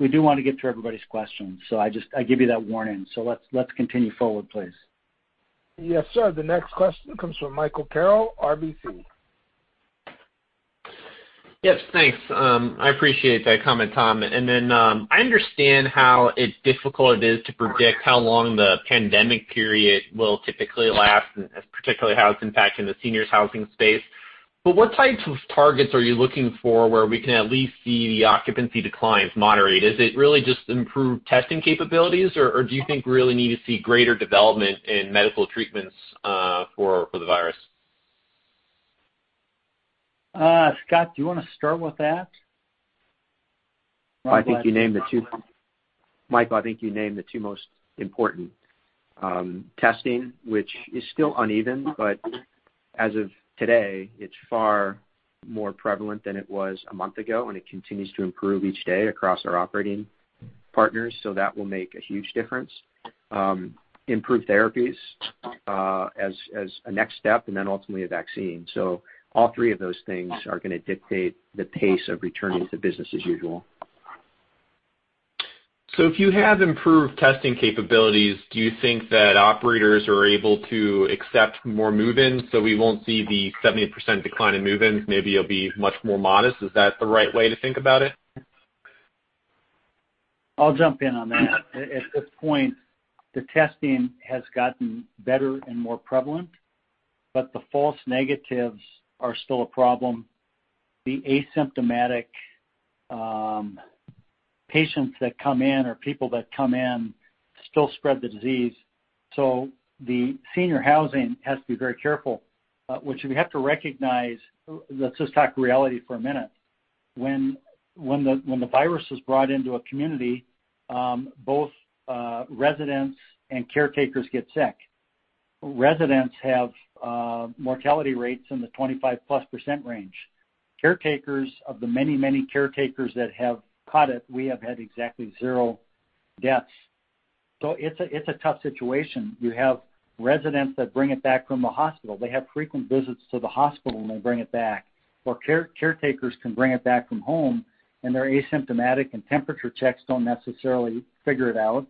We do want to get to everybody's questions. I give you that warning. Let's continue forward, please. Yes, sir. The next question comes from Michael Carroll, RBC. Yes, thanks. I appreciate that comment, Tom. I understand how difficult it is to predict how long the pandemic period will typically last, and particularly how it's impacting the seniors housing space. What types of targets are you looking for where we can at least see the occupancy declines moderate? Is it really just improved testing capabilities, or do you think we really need to see greater development in medical treatments for the virus? Scott, do you want to start with that? Mike, I think you named the two most important. Testing, which is still uneven, but as of today, it's far more prevalent than it was a month ago, and it continues to improve each day across our operating partners, so that will make a huge difference. Improved therapies as a next step, then ultimately, a vaccine. All three of those things are going to dictate the pace of returning to business as usual. If you have improved testing capabilities, do you think that operators are able to accept more move-ins, so we won't see the 70% decline in move-ins? Maybe it'll be much more modest. Is that the right way to think about it? I'll jump in on that. At this point, the testing has gotten better and more prevalent, the false negatives are still a problem. The asymptomatic patients that come in, or people that come in still spread the disease. The senior housing has to be very careful, which we have to recognize. Let's just talk reality for a minute. When the virus is brought into a community, both residents and caretakers get sick. Residents have mortality rates in the 25%+ range. Caretakers, of the many caretakers that have caught it, we have had exactly zero deaths. It's a tough situation. You have residents that bring it back from the hospital. They have frequent visits to the hospital, they bring it back. Caretakers can bring it back from home, and they're asymptomatic, and temperature checks don't necessarily figure it out,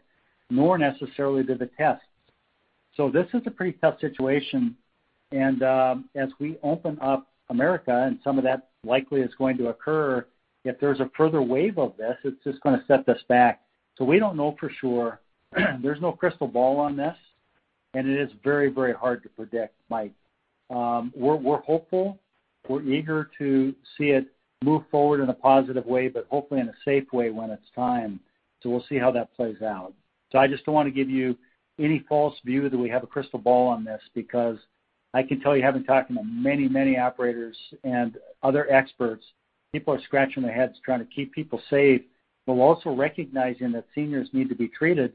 nor necessarily do the tests. This is a pretty tough situation, and as we open up America and some of that likely is going to occur, if there's a further wave of this, it's just going to set us back. We don't know for sure. There's no crystal ball on this, and it is very hard to predict, Mike. We're hopeful. We're eager to see it move forward in a positive way, but hopefully in a safe way when it's time. We'll see how that plays out. I just don't want to give you any false view that we have a crystal ball on this, because I can tell you, having talked to many operators and other experts, people are scratching their heads trying to keep people safe, but also recognizing that seniors need to be treated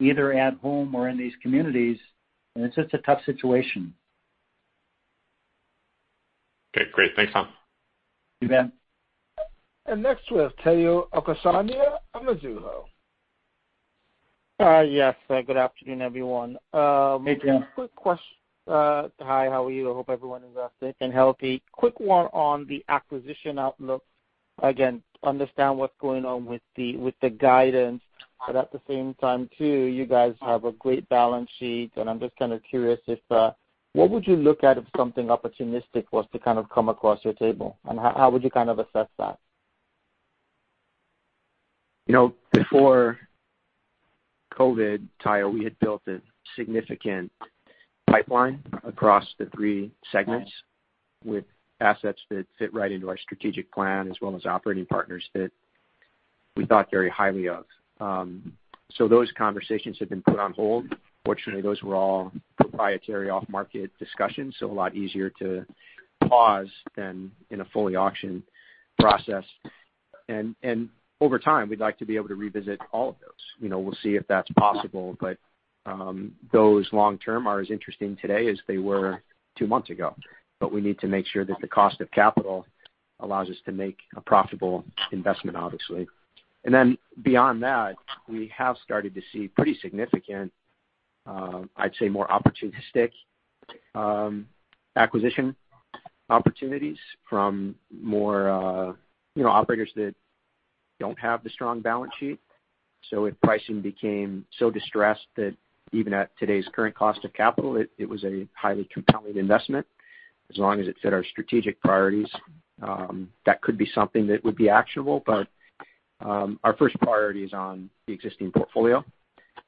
either at home or in these communities, and it's just a tough situation. Okay, great. Thanks, Tom. You bet. Next, we have Tayo Okusanya, Mizuho. Yes. Good afternoon, everyone. Hey, Tayo. Hi, how are you? I hope everyone is safe and healthy. Quick one on the acquisition outlook. Again, understand what's going on with the guidance. At the same time, too, you guys have a great balance sheet, and I'm just kind of curious if, what would you look at if something opportunistic was to kind of come across your table, and how would you kind of assess that? Before COVID, Tayo, we had built a significant pipeline across the three segments with assets that fit right into our strategic plan, as well as operating partners that we thought very highly of. Those conversations have been put on hold. Fortunately, those were all proprietary off-market discussions, so a lot easier to pause than in a fully auction process. Over time, we'd like to be able to revisit all of those. We'll see if that's possible, but those long term are as interesting today as they were two months ago. We need to make sure that the cost of capital allows us to make a profitable investment, obviously. Then beyond that, we have started to see pretty significant, I'd say more opportunistic acquisition opportunities from more operators that don't have the strong balance sheet. If pricing became so distressed that even at today's current cost of capital, it was a highly compelling investment, as long as it fit our strategic priorities, that could be something that would be actionable. Our first priority is on the existing portfolio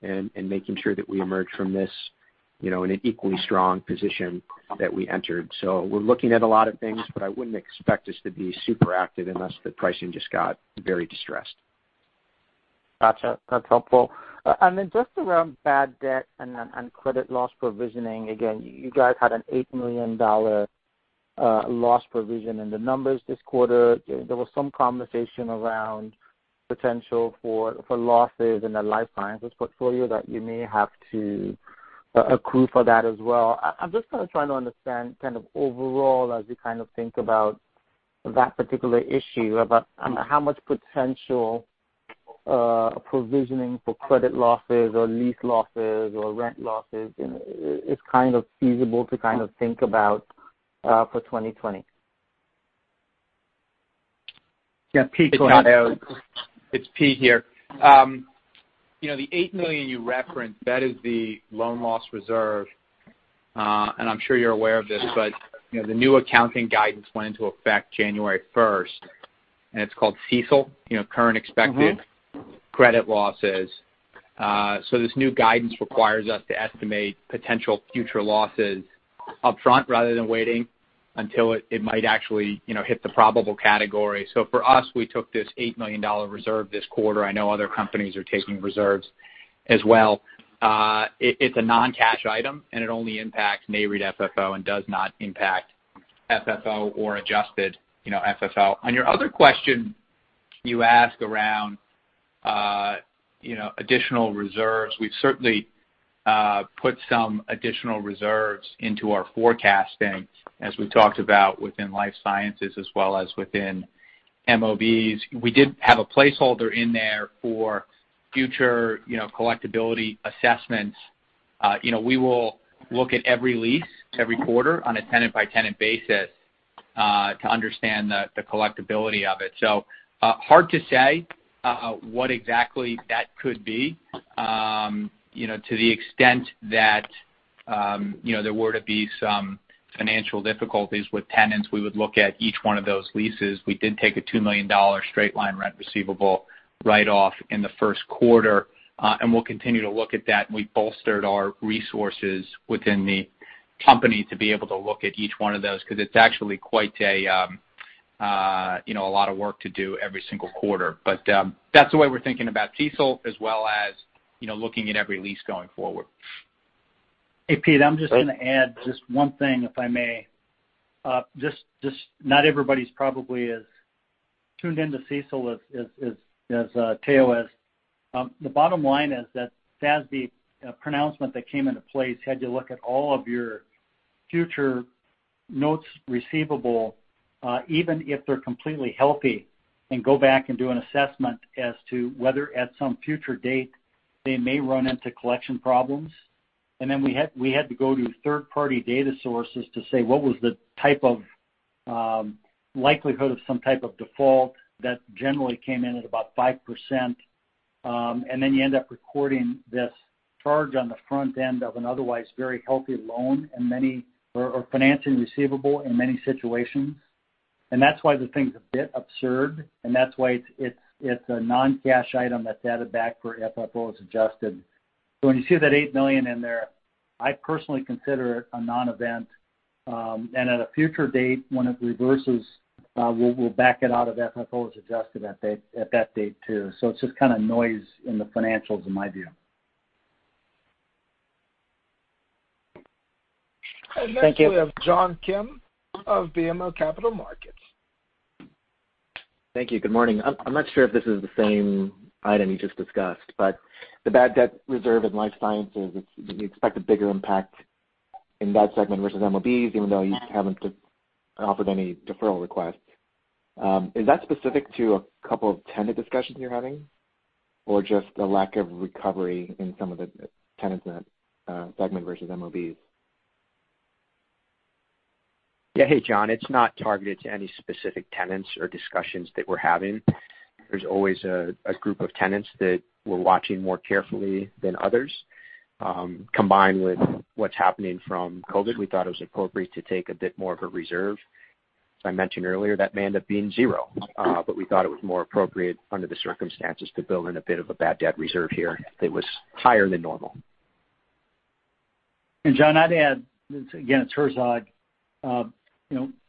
and making sure that we emerge from this in an equally strong position that we entered. We're looking at a lot of things, but I wouldn't expect us to be super active unless the pricing just got very distressed. Got you. That's helpful. Just around bad debt and credit loss provisioning, again, you guys had an $8 million loss provision in the numbers this quarter. There was some conversation around potential for losses in the Life Sciences portfolio that you may have to accrue for that as well. I'm just kind of trying to understand kind of overall as you kind of think about that particular issue, about how much potential provisioning for credit losses or lease losses or rent losses is kind of feasible to kind of think about for 2020? Yeah, Pete, go ahead. It's Pete here. The $8 million you referenced, that is the loan loss reserve. I'm sure you're aware of this, but the new accounting guidance went into effect January 1st, and it's called CECL, current expected- credit losses. This new guidance requires us to estimate potential future losses upfront rather than waiting until it might actually hit the probable category. For us, we took this $8 million reserve this quarter. I know other companies are taking reserves as well. It's a non-cash item, and it only impacts Nareit FFO and does not impact FFO or adjusted FFO. On your other question you ask around additional reserves, we've certainly put some additional reserves into our forecasting as we talked about within life sciences as well as within MOBs. We did have a placeholder in there for future collectibility assessments. We will look at every lease every quarter on a tenant-by-tenant basis to understand the collectibility of it. Hard to say what exactly that could be. To the extent that there were to be some financial difficulties with tenants, we would look at each one of those leases. We did take a $2 million straight-line rent receivable write-off in the first quarter, and we'll continue to look at that, and we bolstered our resources within the company to be able to look at each one of those because it's actually quite a lot of work to do every single quarter. That's the way we're thinking about CECL as well as looking at every lease going forward. Hey, Pete, I'm just going to add just one thing, if I may. Not everybody's probably as tuned into CECL as Tayo is. The bottom line is that FASB pronouncement that came into place had you look at all of your future notes receivable, even if they're completely healthy, and go back and do an assessment as to whether at some future date they may run into collection problems. We had to go to third-party data sources to say what was the likelihood of some type of default that generally came in at about 5%. You end up recording this charge on the front end of an otherwise very healthy loan or financing receivable in many situations. That's why the thing's a bit absurd, and that's why it's a non-cash item that's added back for FFO as adjusted. When you see that $8 million in there, I personally consider it a non-event. At a future date when it reverses, we'll back it out of FFO as adjusted at that date, too. It's just kind of noise in the financials in my view. Thank you. Next we have John Kim of BMO Capital Markets. Thank you. Good morning. I'm not sure if this is the same item you just discussed, but the bad debt reserve in life sciences, you expect a bigger impact in that segment versus MOBs, even though you haven't offered any deferral requests. Is that specific to a couple of tenant discussions you're having, or just the lack of recovery in some of the tenants in that segment versus MOBs? Yeah. Hey, John, it's not targeted to any specific tenants or discussions that we're having. There's always a group of tenants that we're watching more carefully than others. Combined with what's happening from COVID, we thought it was appropriate to take a bit more of a reserve. As I mentioned earlier, that may end up being zero, but we thought it was more appropriate under the circumstances to build in a bit of a bad debt reserve here that was higher than normal. John, I'd add, again, it's Herzog.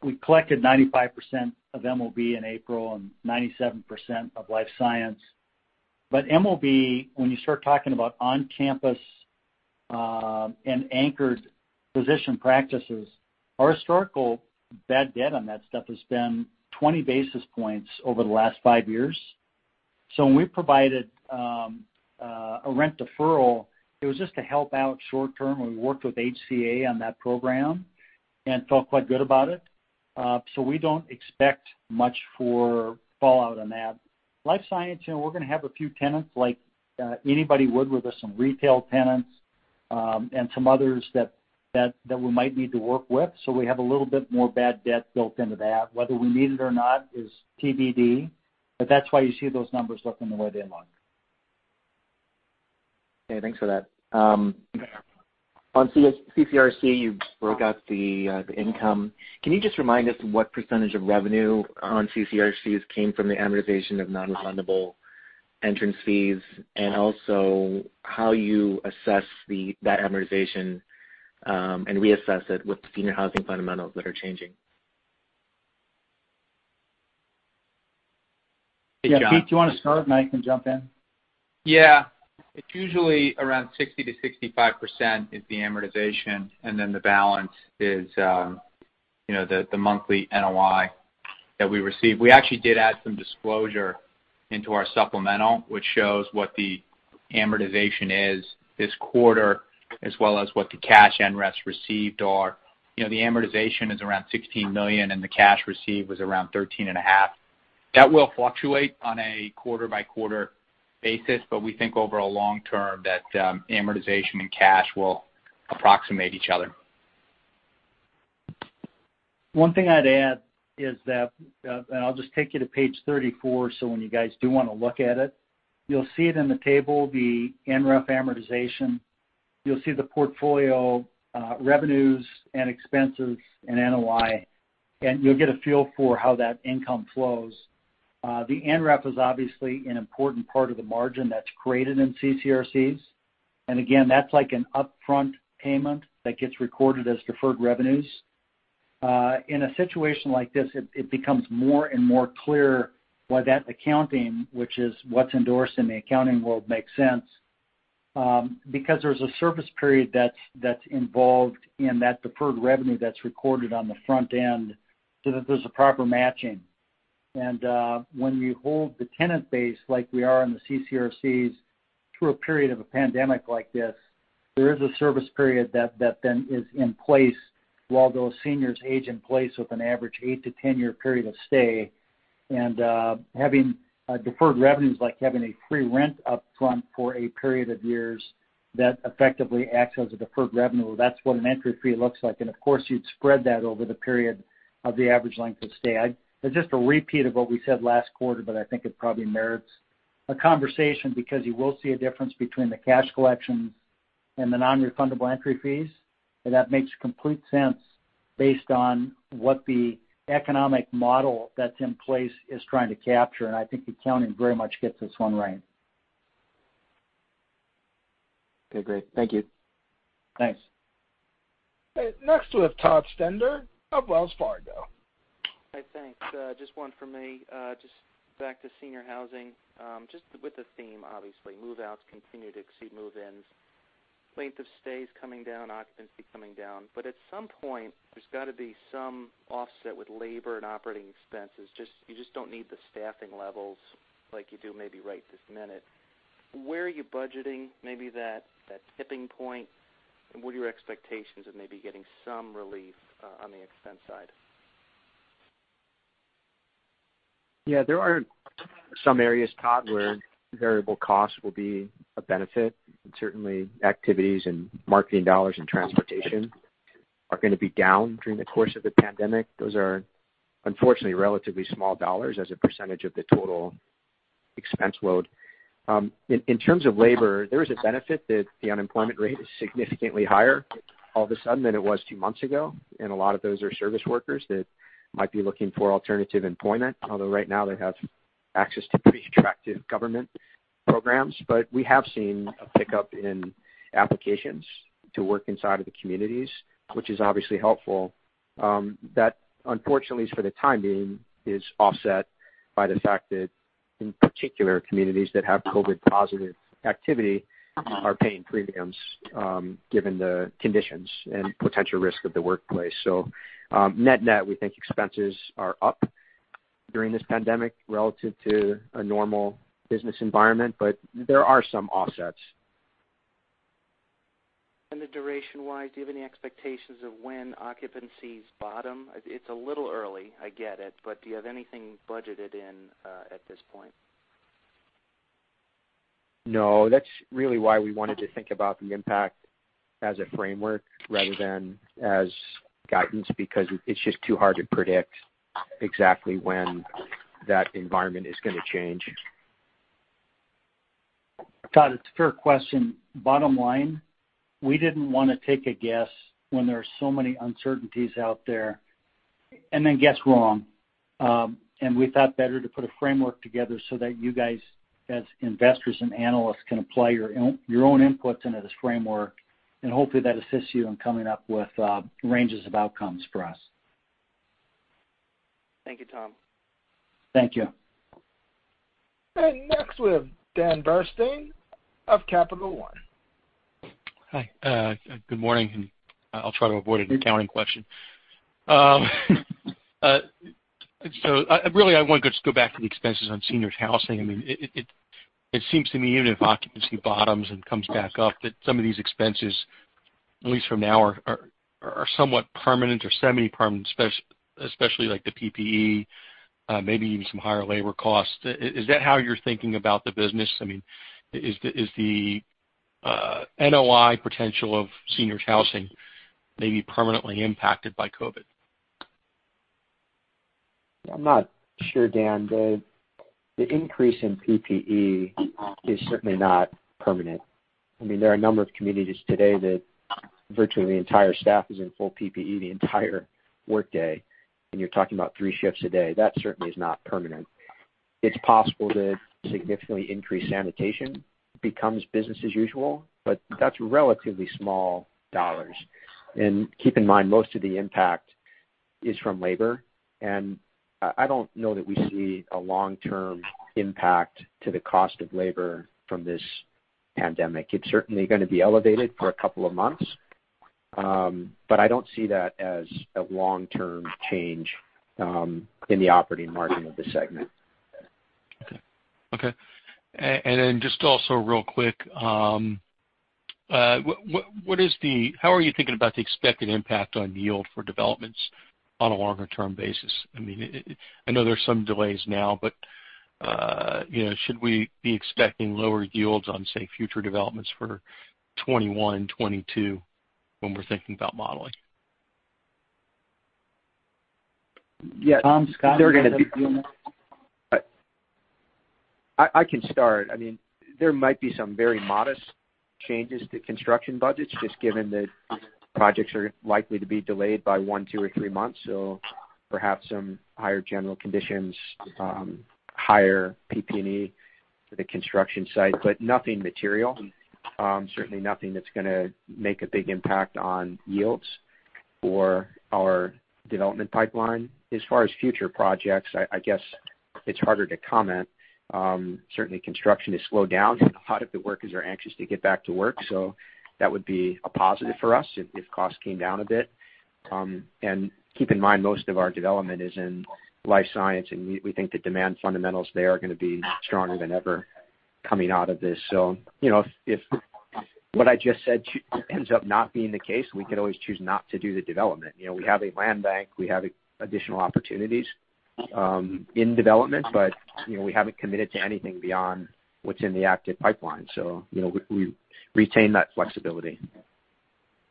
We collected 95% of MOB in April and 97% of Life Science. MOB, when you start talking about on-campus and anchored physician practices, our historical bad debt on that stuff has been 20 basis points over the last five years. When we provided a rent deferral, it was just to help out short-term. We worked with HCA on that program and felt quite good about it. We don't expect much for fallout on that. Life Science, we're going to have a few tenants like anybody would with some retail tenants, and some others that we might need to work with. We have a little bit more bad debt built into that. Whether we need it or not is TBD, but that's why you see those numbers looking the way they look. Okay. Thanks for that. On CCRC, you broke out the income. Can you just remind us what percentage of revenue on CCRCs came from the amortization of non-refundable entrance fees, and also how you assess that amortization and reassess it with the senior housing fundamentals that are changing? Yeah. Pete, do you want to start, and I can jump in? Yeah. It is usually around 60%-65% is the amortization, and then the balance is the monthly NOI that we receive. We actually did add some disclosure into our supplemental, which shows what the amortization is this quarter as well as what the cash and rents received are. The amortization is around $16 million, and the cash received was around $13 and a half. That will fluctuate on a quarter-by-quarter basis, but we think over a long term that amortization and cash will approximate each other. One thing I'd add is that, and I'll just take you to page 34, so when you guys do want to look at it, you'll see it in the table, the NRAP amortization. You'll see the portfolio revenues and expenses and NOI, and you'll get a feel for how that income flows. The NRAP is obviously an important part of the margin that's created in CCRCs. Again, that's like an upfront payment that gets recorded as deferred revenues. In a situation like this, it becomes more and more clear why that accounting, which is what's endorsed in the accounting world, makes sense, because there's a service period that's involved in that deferred revenue that's recorded on the front end so that there's a proper matching. When you hold the tenant base like we are in the CCRCs through a period of a pandemic like this, there is a service period that then is in place while those seniors age in place with an average eight to 10-year period of stay. Having deferred revenues, like having a free rent up front for a period of years, that effectively acts as a deferred revenue. That's what an entry fee looks like. Of course, you'd spread that over the period of the average length of stay. It's just a repeat of what we said last quarter, but I think it probably merits a conversation because you will see a difference between the cash collections and the non-refundable entry fees. That makes complete sense based on what the economic model that's in place is trying to capture, and I think accounting very much gets this one right. Okay, great. Thank you. Thanks. Next, we have Todd Stender of Wells Fargo. Hey, thanks. Just one from me. Just back to senior housing. Just with the theme, obviously, move-outs continue to exceed move-ins. Length of stay is coming down, occupancy coming down. At some point, there's got to be some offset with labor and operating expenses. You just don't need the staffing levels like you do maybe right this minute. Where are you budgeting maybe that tipping point, and what are your expectations of maybe getting some relief on the expense side? Yeah, there are some areas, Todd, where variable costs will be a benefit. Certainly activities and marketing dollars and transportation are going to be down during the course of the pandemic. Those are unfortunately relatively small dollar as a percentage of the total expense load. In terms of labor, there is a benefit that the unemployment rate is significantly higher all of a sudden than it was two months ago. A lot of those are service workers that might be looking for alternative employment. Right now they have access to pretty attractive government programs. We have seen a pickup in applications to work inside of the communities, which is obviously helpful. That, unfortunately for the time being, is offset by the fact that in particular communities that have COVID positive activity are paying premiums given the conditions and potential risk of the workplace. Net-net, we think expenses are up during this pandemic relative to a normal business environment, but there are some offsets. The duration-wise, do you have any expectations of when occupancies bottom? It's a little early, I get it, but do you have anything budgeted in at this point? No. That's really why we wanted to think about the impact as a framework rather than as guidance, because it's just too hard to predict exactly when that environment is going to change. Todd, it's a fair question. Bottom line, we didn't want to take a guess when there are so many uncertainties out there and then guess wrong. We thought better to put a framework together so that you guys, as investors and analysts, can apply your own inputs into this framework, and hopefully that assists you in coming up with ranges of outcomes for us. Thank you, Tom. Thank you. Next, we have Dan Bernstein of Capital One. Hi. Good morning. I'll try to avoid an accounting question. Really, I want to just go back to the expenses on seniors housing. It seems to me even if occupancy bottoms and comes back up, that some of these expenses, at least from now, are somewhat permanent or semi-permanent, especially like the PPE, maybe even some higher labor costs. Is that how you're thinking about the business? Is the NOI potential of seniors housing maybe permanently impacted by COVID? I'm not sure, Dan. The increase in PPE is certainly not permanent. There are a number of communities today that virtually the entire staff is in full PPE the entire workday, and you're talking about three shifts a day. That certainly is not permanent. It's possible that significantly increased sanitation becomes business as usual, but that's relatively small dollars. Keep in mind, most of the impact is from labor, and I don't know that we see a long-term impact to the cost of labor from this pandemic. It's certainly going to be elevated for a couple of months, but I don't see that as a long-term change in the operating margin of the segment. Okay. Just also real quick, how are you thinking about the expected impact on yield for development on a longer-term basis? I know there's some delays now, should we be expecting lower yields on, say, future developments for 2021, 2022 when we're thinking about modeling? Yes. Tom, Scott, I can start. There might be some very modest changes to construction budgets, just given that projects are likely to be delayed by one, two, or three months. Perhaps some higher general conditions, higher PP&E for the construction site, but nothing material. Certainly nothing that's going to make a big impact on yields or our development pipeline. As far as future projects, I guess it's harder to comment. Certainly, construction has slowed down. A lot of the workers are anxious to get back to work, so that would be a positive for us if costs came down a bit. Keep in mind, most of our development is in life science, and we think the demand fundamentals there are going to be stronger than ever coming out of this. If what I just said ends up not being the case, we could always choose not to do the development. We have a land bank. We have additional opportunities in development, but we haven't committed to anything beyond what's in the active pipeline. We retain that flexibility.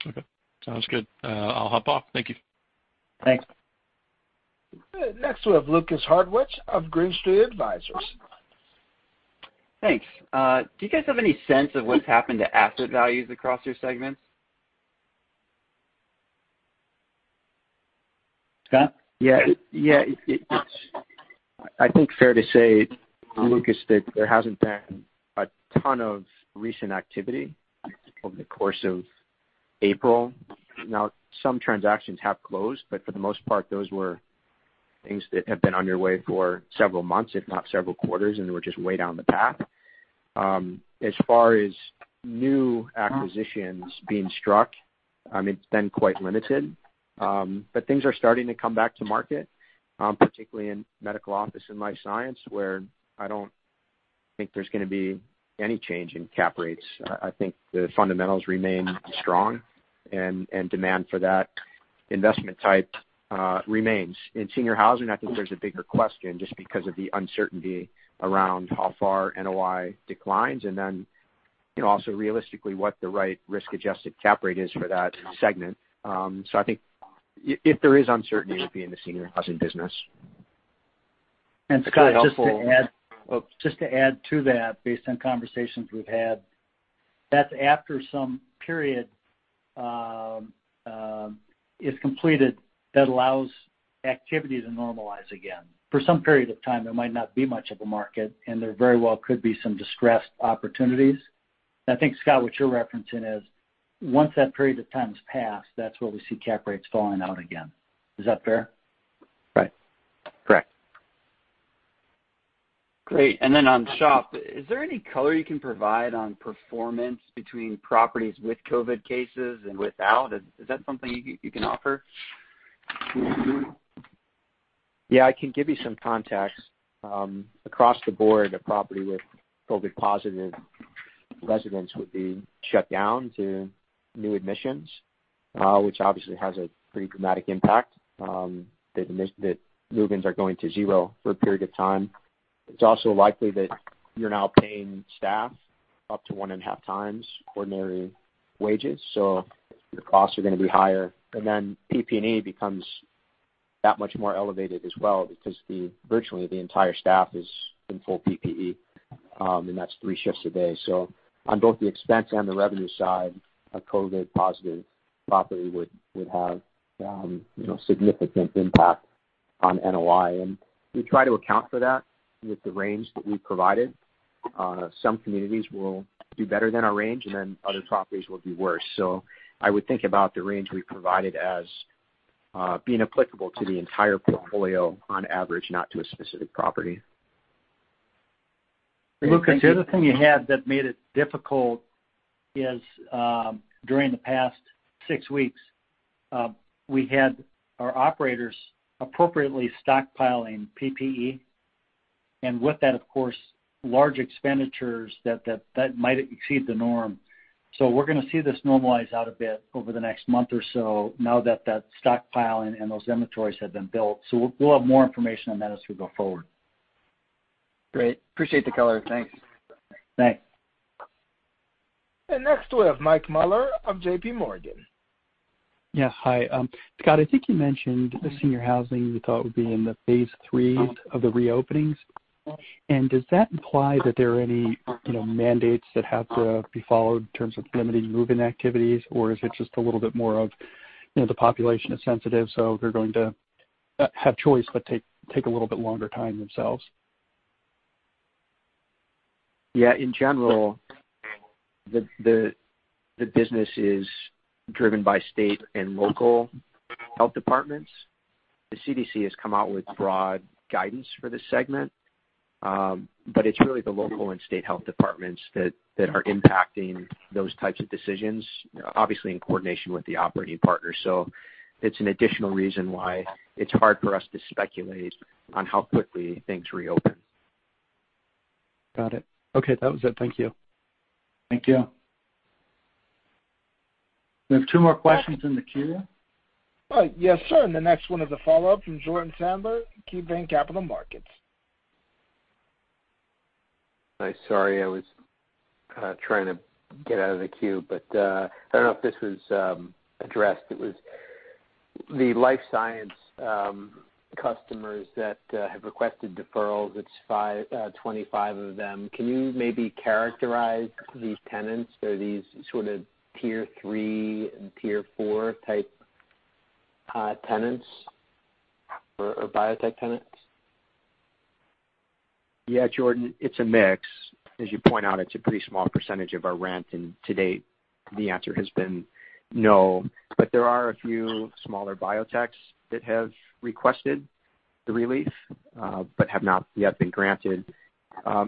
Okay. Sounds good. I'll hop off. Thank you. Thanks. Good. Next we have Lukas Hartwich of Green Street Advisors. Thanks. Do you guys have any sense of what's happened to asset values across your segments? Scott? Yeah. It's, I think, fair to say, Lukas, that there hasn't been a ton of recent activity over the course of April. Some transactions have closed, but for the most part, those were things that have been underway for several months, if not several quarters, and were just way down the path. As far as new acquisitions being struck, it's been quite limited. Things are starting to come back to market, particularly in Medical Office and Life Science, where I don't think there's going to be any change in cap rates. I think the fundamentals remain strong, and demand for that investment type remains. In senior housing, I think there's a bigger question just because of the uncertainty around how far NOI declines, and then also realistically, what the right risk-adjusted cap rate is for that segment. I think if there is uncertainty, it would be in the senior housing business. It's helpful. Just to add to that, based on conversations we've had, that's after some period is completed that allows activity to normalize again. For some period of time, there might not be much of a market, and there very well could be some distressed opportunities. I think, Scott, what you're referencing is once that period of time has passed, that's where we see cap rates falling out again. Is that fair? Right. Correct. Great. On SHOP, is there any color you can provide on performance between properties with COVID cases and without? Is that something you can offer? Yeah, I can give you some context. Across the board, a property with COVID-positive residents would be shut down to new admissions, which obviously has a pretty dramatic impact, that move-ins are going to zero for a period of time. It's also likely that you're now paying staff up to 1.5x ordinary wages, your costs are going to be higher. PP&E becomes that much more elevated as well because virtually the entire staff is in full PPE, and that's three shifts a day. On both the expense and the revenue side, a COVID-positive property would have significant impact on NOI. We try to account for that with the range that we provided. Some communities will do better than our range, other properties will do worse. I would think about the range we provided as being applicable to the entire portfolio on average, not to a specific property. Lukas, the other thing you had that made it difficult is, during the past six weeks, we had our operators appropriately stockpiling PPE. With that, of course, large expenditures that might exceed the norm. We're going to see this normalize out a bit over the next month or so now that that stockpiling and those inventories have been built. We'll have more information on that as we go forward. Great. Appreciate the color. Thanks. Thanks. Next we have Mike Mueller of JPMorgan. Yeah. Hi. Scott, I think you mentioned the senior housing you thought would be in the phase III of the reopenings. Does that imply that there are any mandates that have to be followed in terms of limiting move-in activities? Is it just a little bit more of the population is sensitive, so they're going to have choice, but take a little bit longer time themselves? Yeah. In general, the business is driven by state and local health departments. The CDC has come out with broad guidance for this segment. It's really the local and state health departments that are impacting those types of decisions, obviously in coordination with the operating partner. It's an additional reason why it's hard for us to speculate on how quickly things reopen. Got it. Okay. That was it. Thank you. Thank you. We have two more questions in the queue. Yes, sir. The next one is a follow-up from Jordan Sadler, KeyBanc Capital Markets. Hi. Sorry, I was trying to get out of the queue, but I don't know if this was addressed. It was the life science customers that have requested deferrals. It's 25 of them. Can you maybe characterize these tenants? Are these sort of tier 3 and tier 4 type tenants or biotech tenants? Yeah, Jordan, it's a mix. As you point out, it's a pretty small percentage of our rent, and to date, the answer has been no. There are a few smaller biotechs that have requested the relief, but have not yet been granted.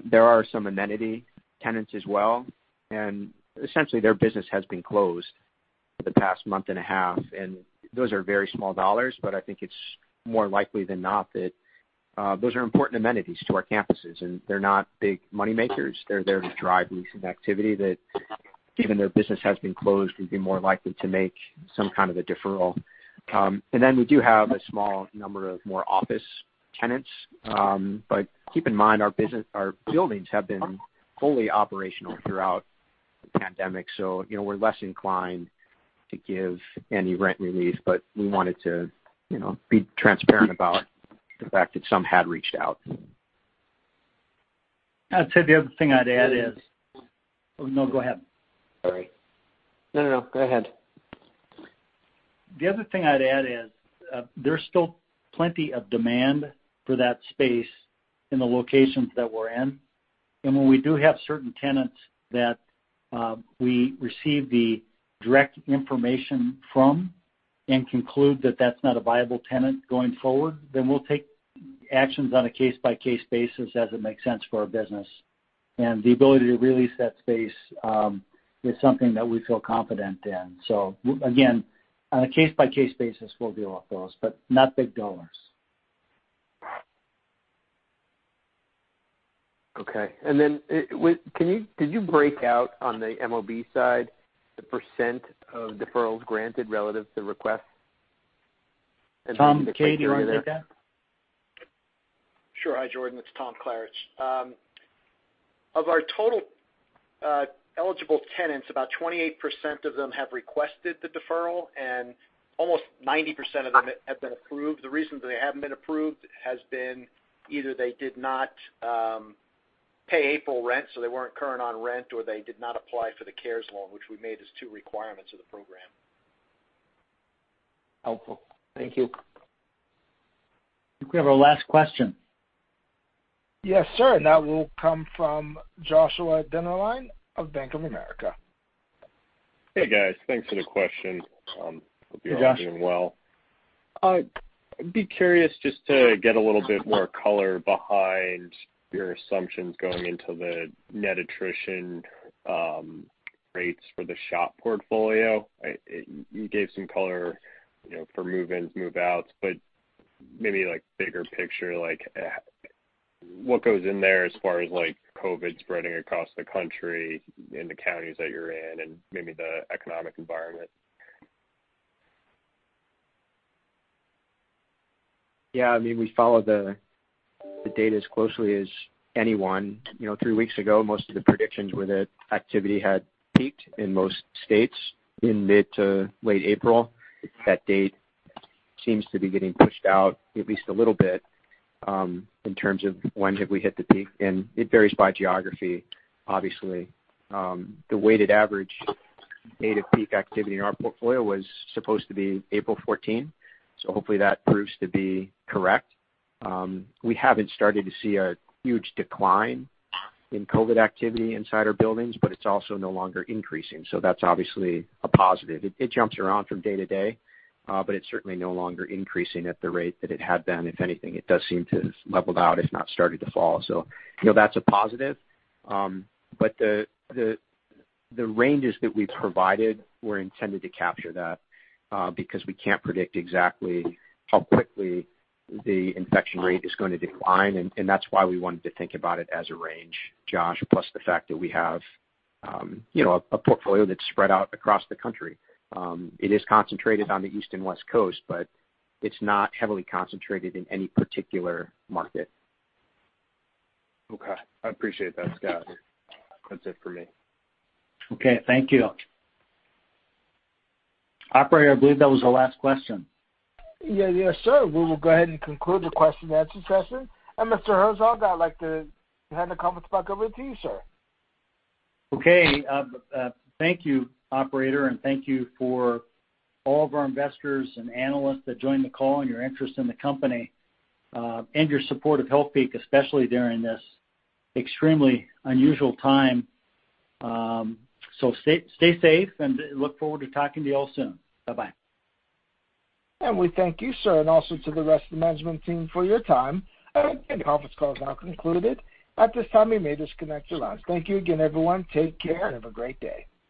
There are some amenity tenants as well, and essentially their business has been closed for the past month and a half, and those are very small dollars, but I think it's more likely than not that those are important amenities to our campuses, and they're not big money makers. They're there to drive leasing activity that even their business has been closed, we'd be more likely to make some kind of a deferral. We do have a small number of more office tenants. Keep in mind, our buildings have been fully operational throughout the pandemic, so we're less inclined to give any rent relief. We wanted to be transparent about the fact that some had reached out. I'd say the other thing I'd add is. Oh, no, go ahead. Sorry. No, no. Go ahead. The other thing I'd add is, there's still plenty of demand for that space in the locations that we're in. When we do have certain tenants that we receive the direct information from and conclude that that's not a viable tenant going forward, then we'll take actions on a case-by-case basis as it makes sense for our business. The ability to re-lease that space is something that we feel confident in. Again, on a case-by-case basis, we'll deal with those, but not big dollars. Okay. Then did you break out on the MOB side the percent of deferrals granted relative to requests? Tom K., do you want to take that? Sure. Hi, Jordan. It's Tom Klaritch. Of our total eligible tenants, about 28% of them have requested the deferral, and almost 90% of them have been approved. The reason they haven't been approved has been either they did not pay April rent, so they weren't current on rent, or they did not apply for the CARES loan, which we made as two requirements of the program. Helpful. Thank you. I think we have our last question. Yes, sir, that will come from Joshua Dennerlein of Bank of America. Hey, guys. Thanks for the question. Hey, Josh. Hope you're all doing well. I'd be curious just to get a little bit more color behind your assumptions going into the net attrition rates for the SHOP portfolio. You gave some color for move-ins, move-outs, but maybe bigger picture, what goes in there as far as COVID spreading across the country in the counties that you're in and maybe the economic environment? Yeah. We follow the data as closely as anyone. Three weeks ago, most of the predictions were that activity had peaked in most states in mid to late April. That date seems to be getting pushed out at least a little bit in terms of when have we hit the peak, and it varies by geography, obviously. The weighted average date of peak activity in our portfolio was supposed to be April 14, so hopefully that proves to be correct. We haven't started to see a huge decline in COVID activity inside our buildings, but it's also no longer increasing, so that's obviously a positive. It jumps around from day to day, but it's certainly no longer increasing at the rate that it had been. If anything, it does seem to have leveled out, if not started to fall. That's a positive. The ranges that we provided were intended to capture that, because we can't predict exactly how quickly the infection rate is going to decline, and that's why we wanted to think about it as a range, Josh, plus the fact that we have a portfolio that's spread out across the country. It is concentrated on the East and West Coast, but it's not heavily concentrated in any particular market. Okay. I appreciate that, Scott. That's it for me. Okay. Thank you. Operator, I believe that was the last question. Yeah. Yes, sir. We will go ahead and conclude the question-and-answer session. Mr. Herzog, I'd like to hand the conference back over to you, sir. Okay. Thank you, operator, and thank you for all of our investors and analysts that joined the call and your interest in the company, and your support of Healthpeak, especially during this extremely unusual time. Stay safe, and look forward to talking to you all soon. Bye-bye. We thank you, sir, and also to the rest of the management team for your time. The conference call is now concluded. At this time, you may disconnect your lines. Thank you again, everyone. Take care and have a great day.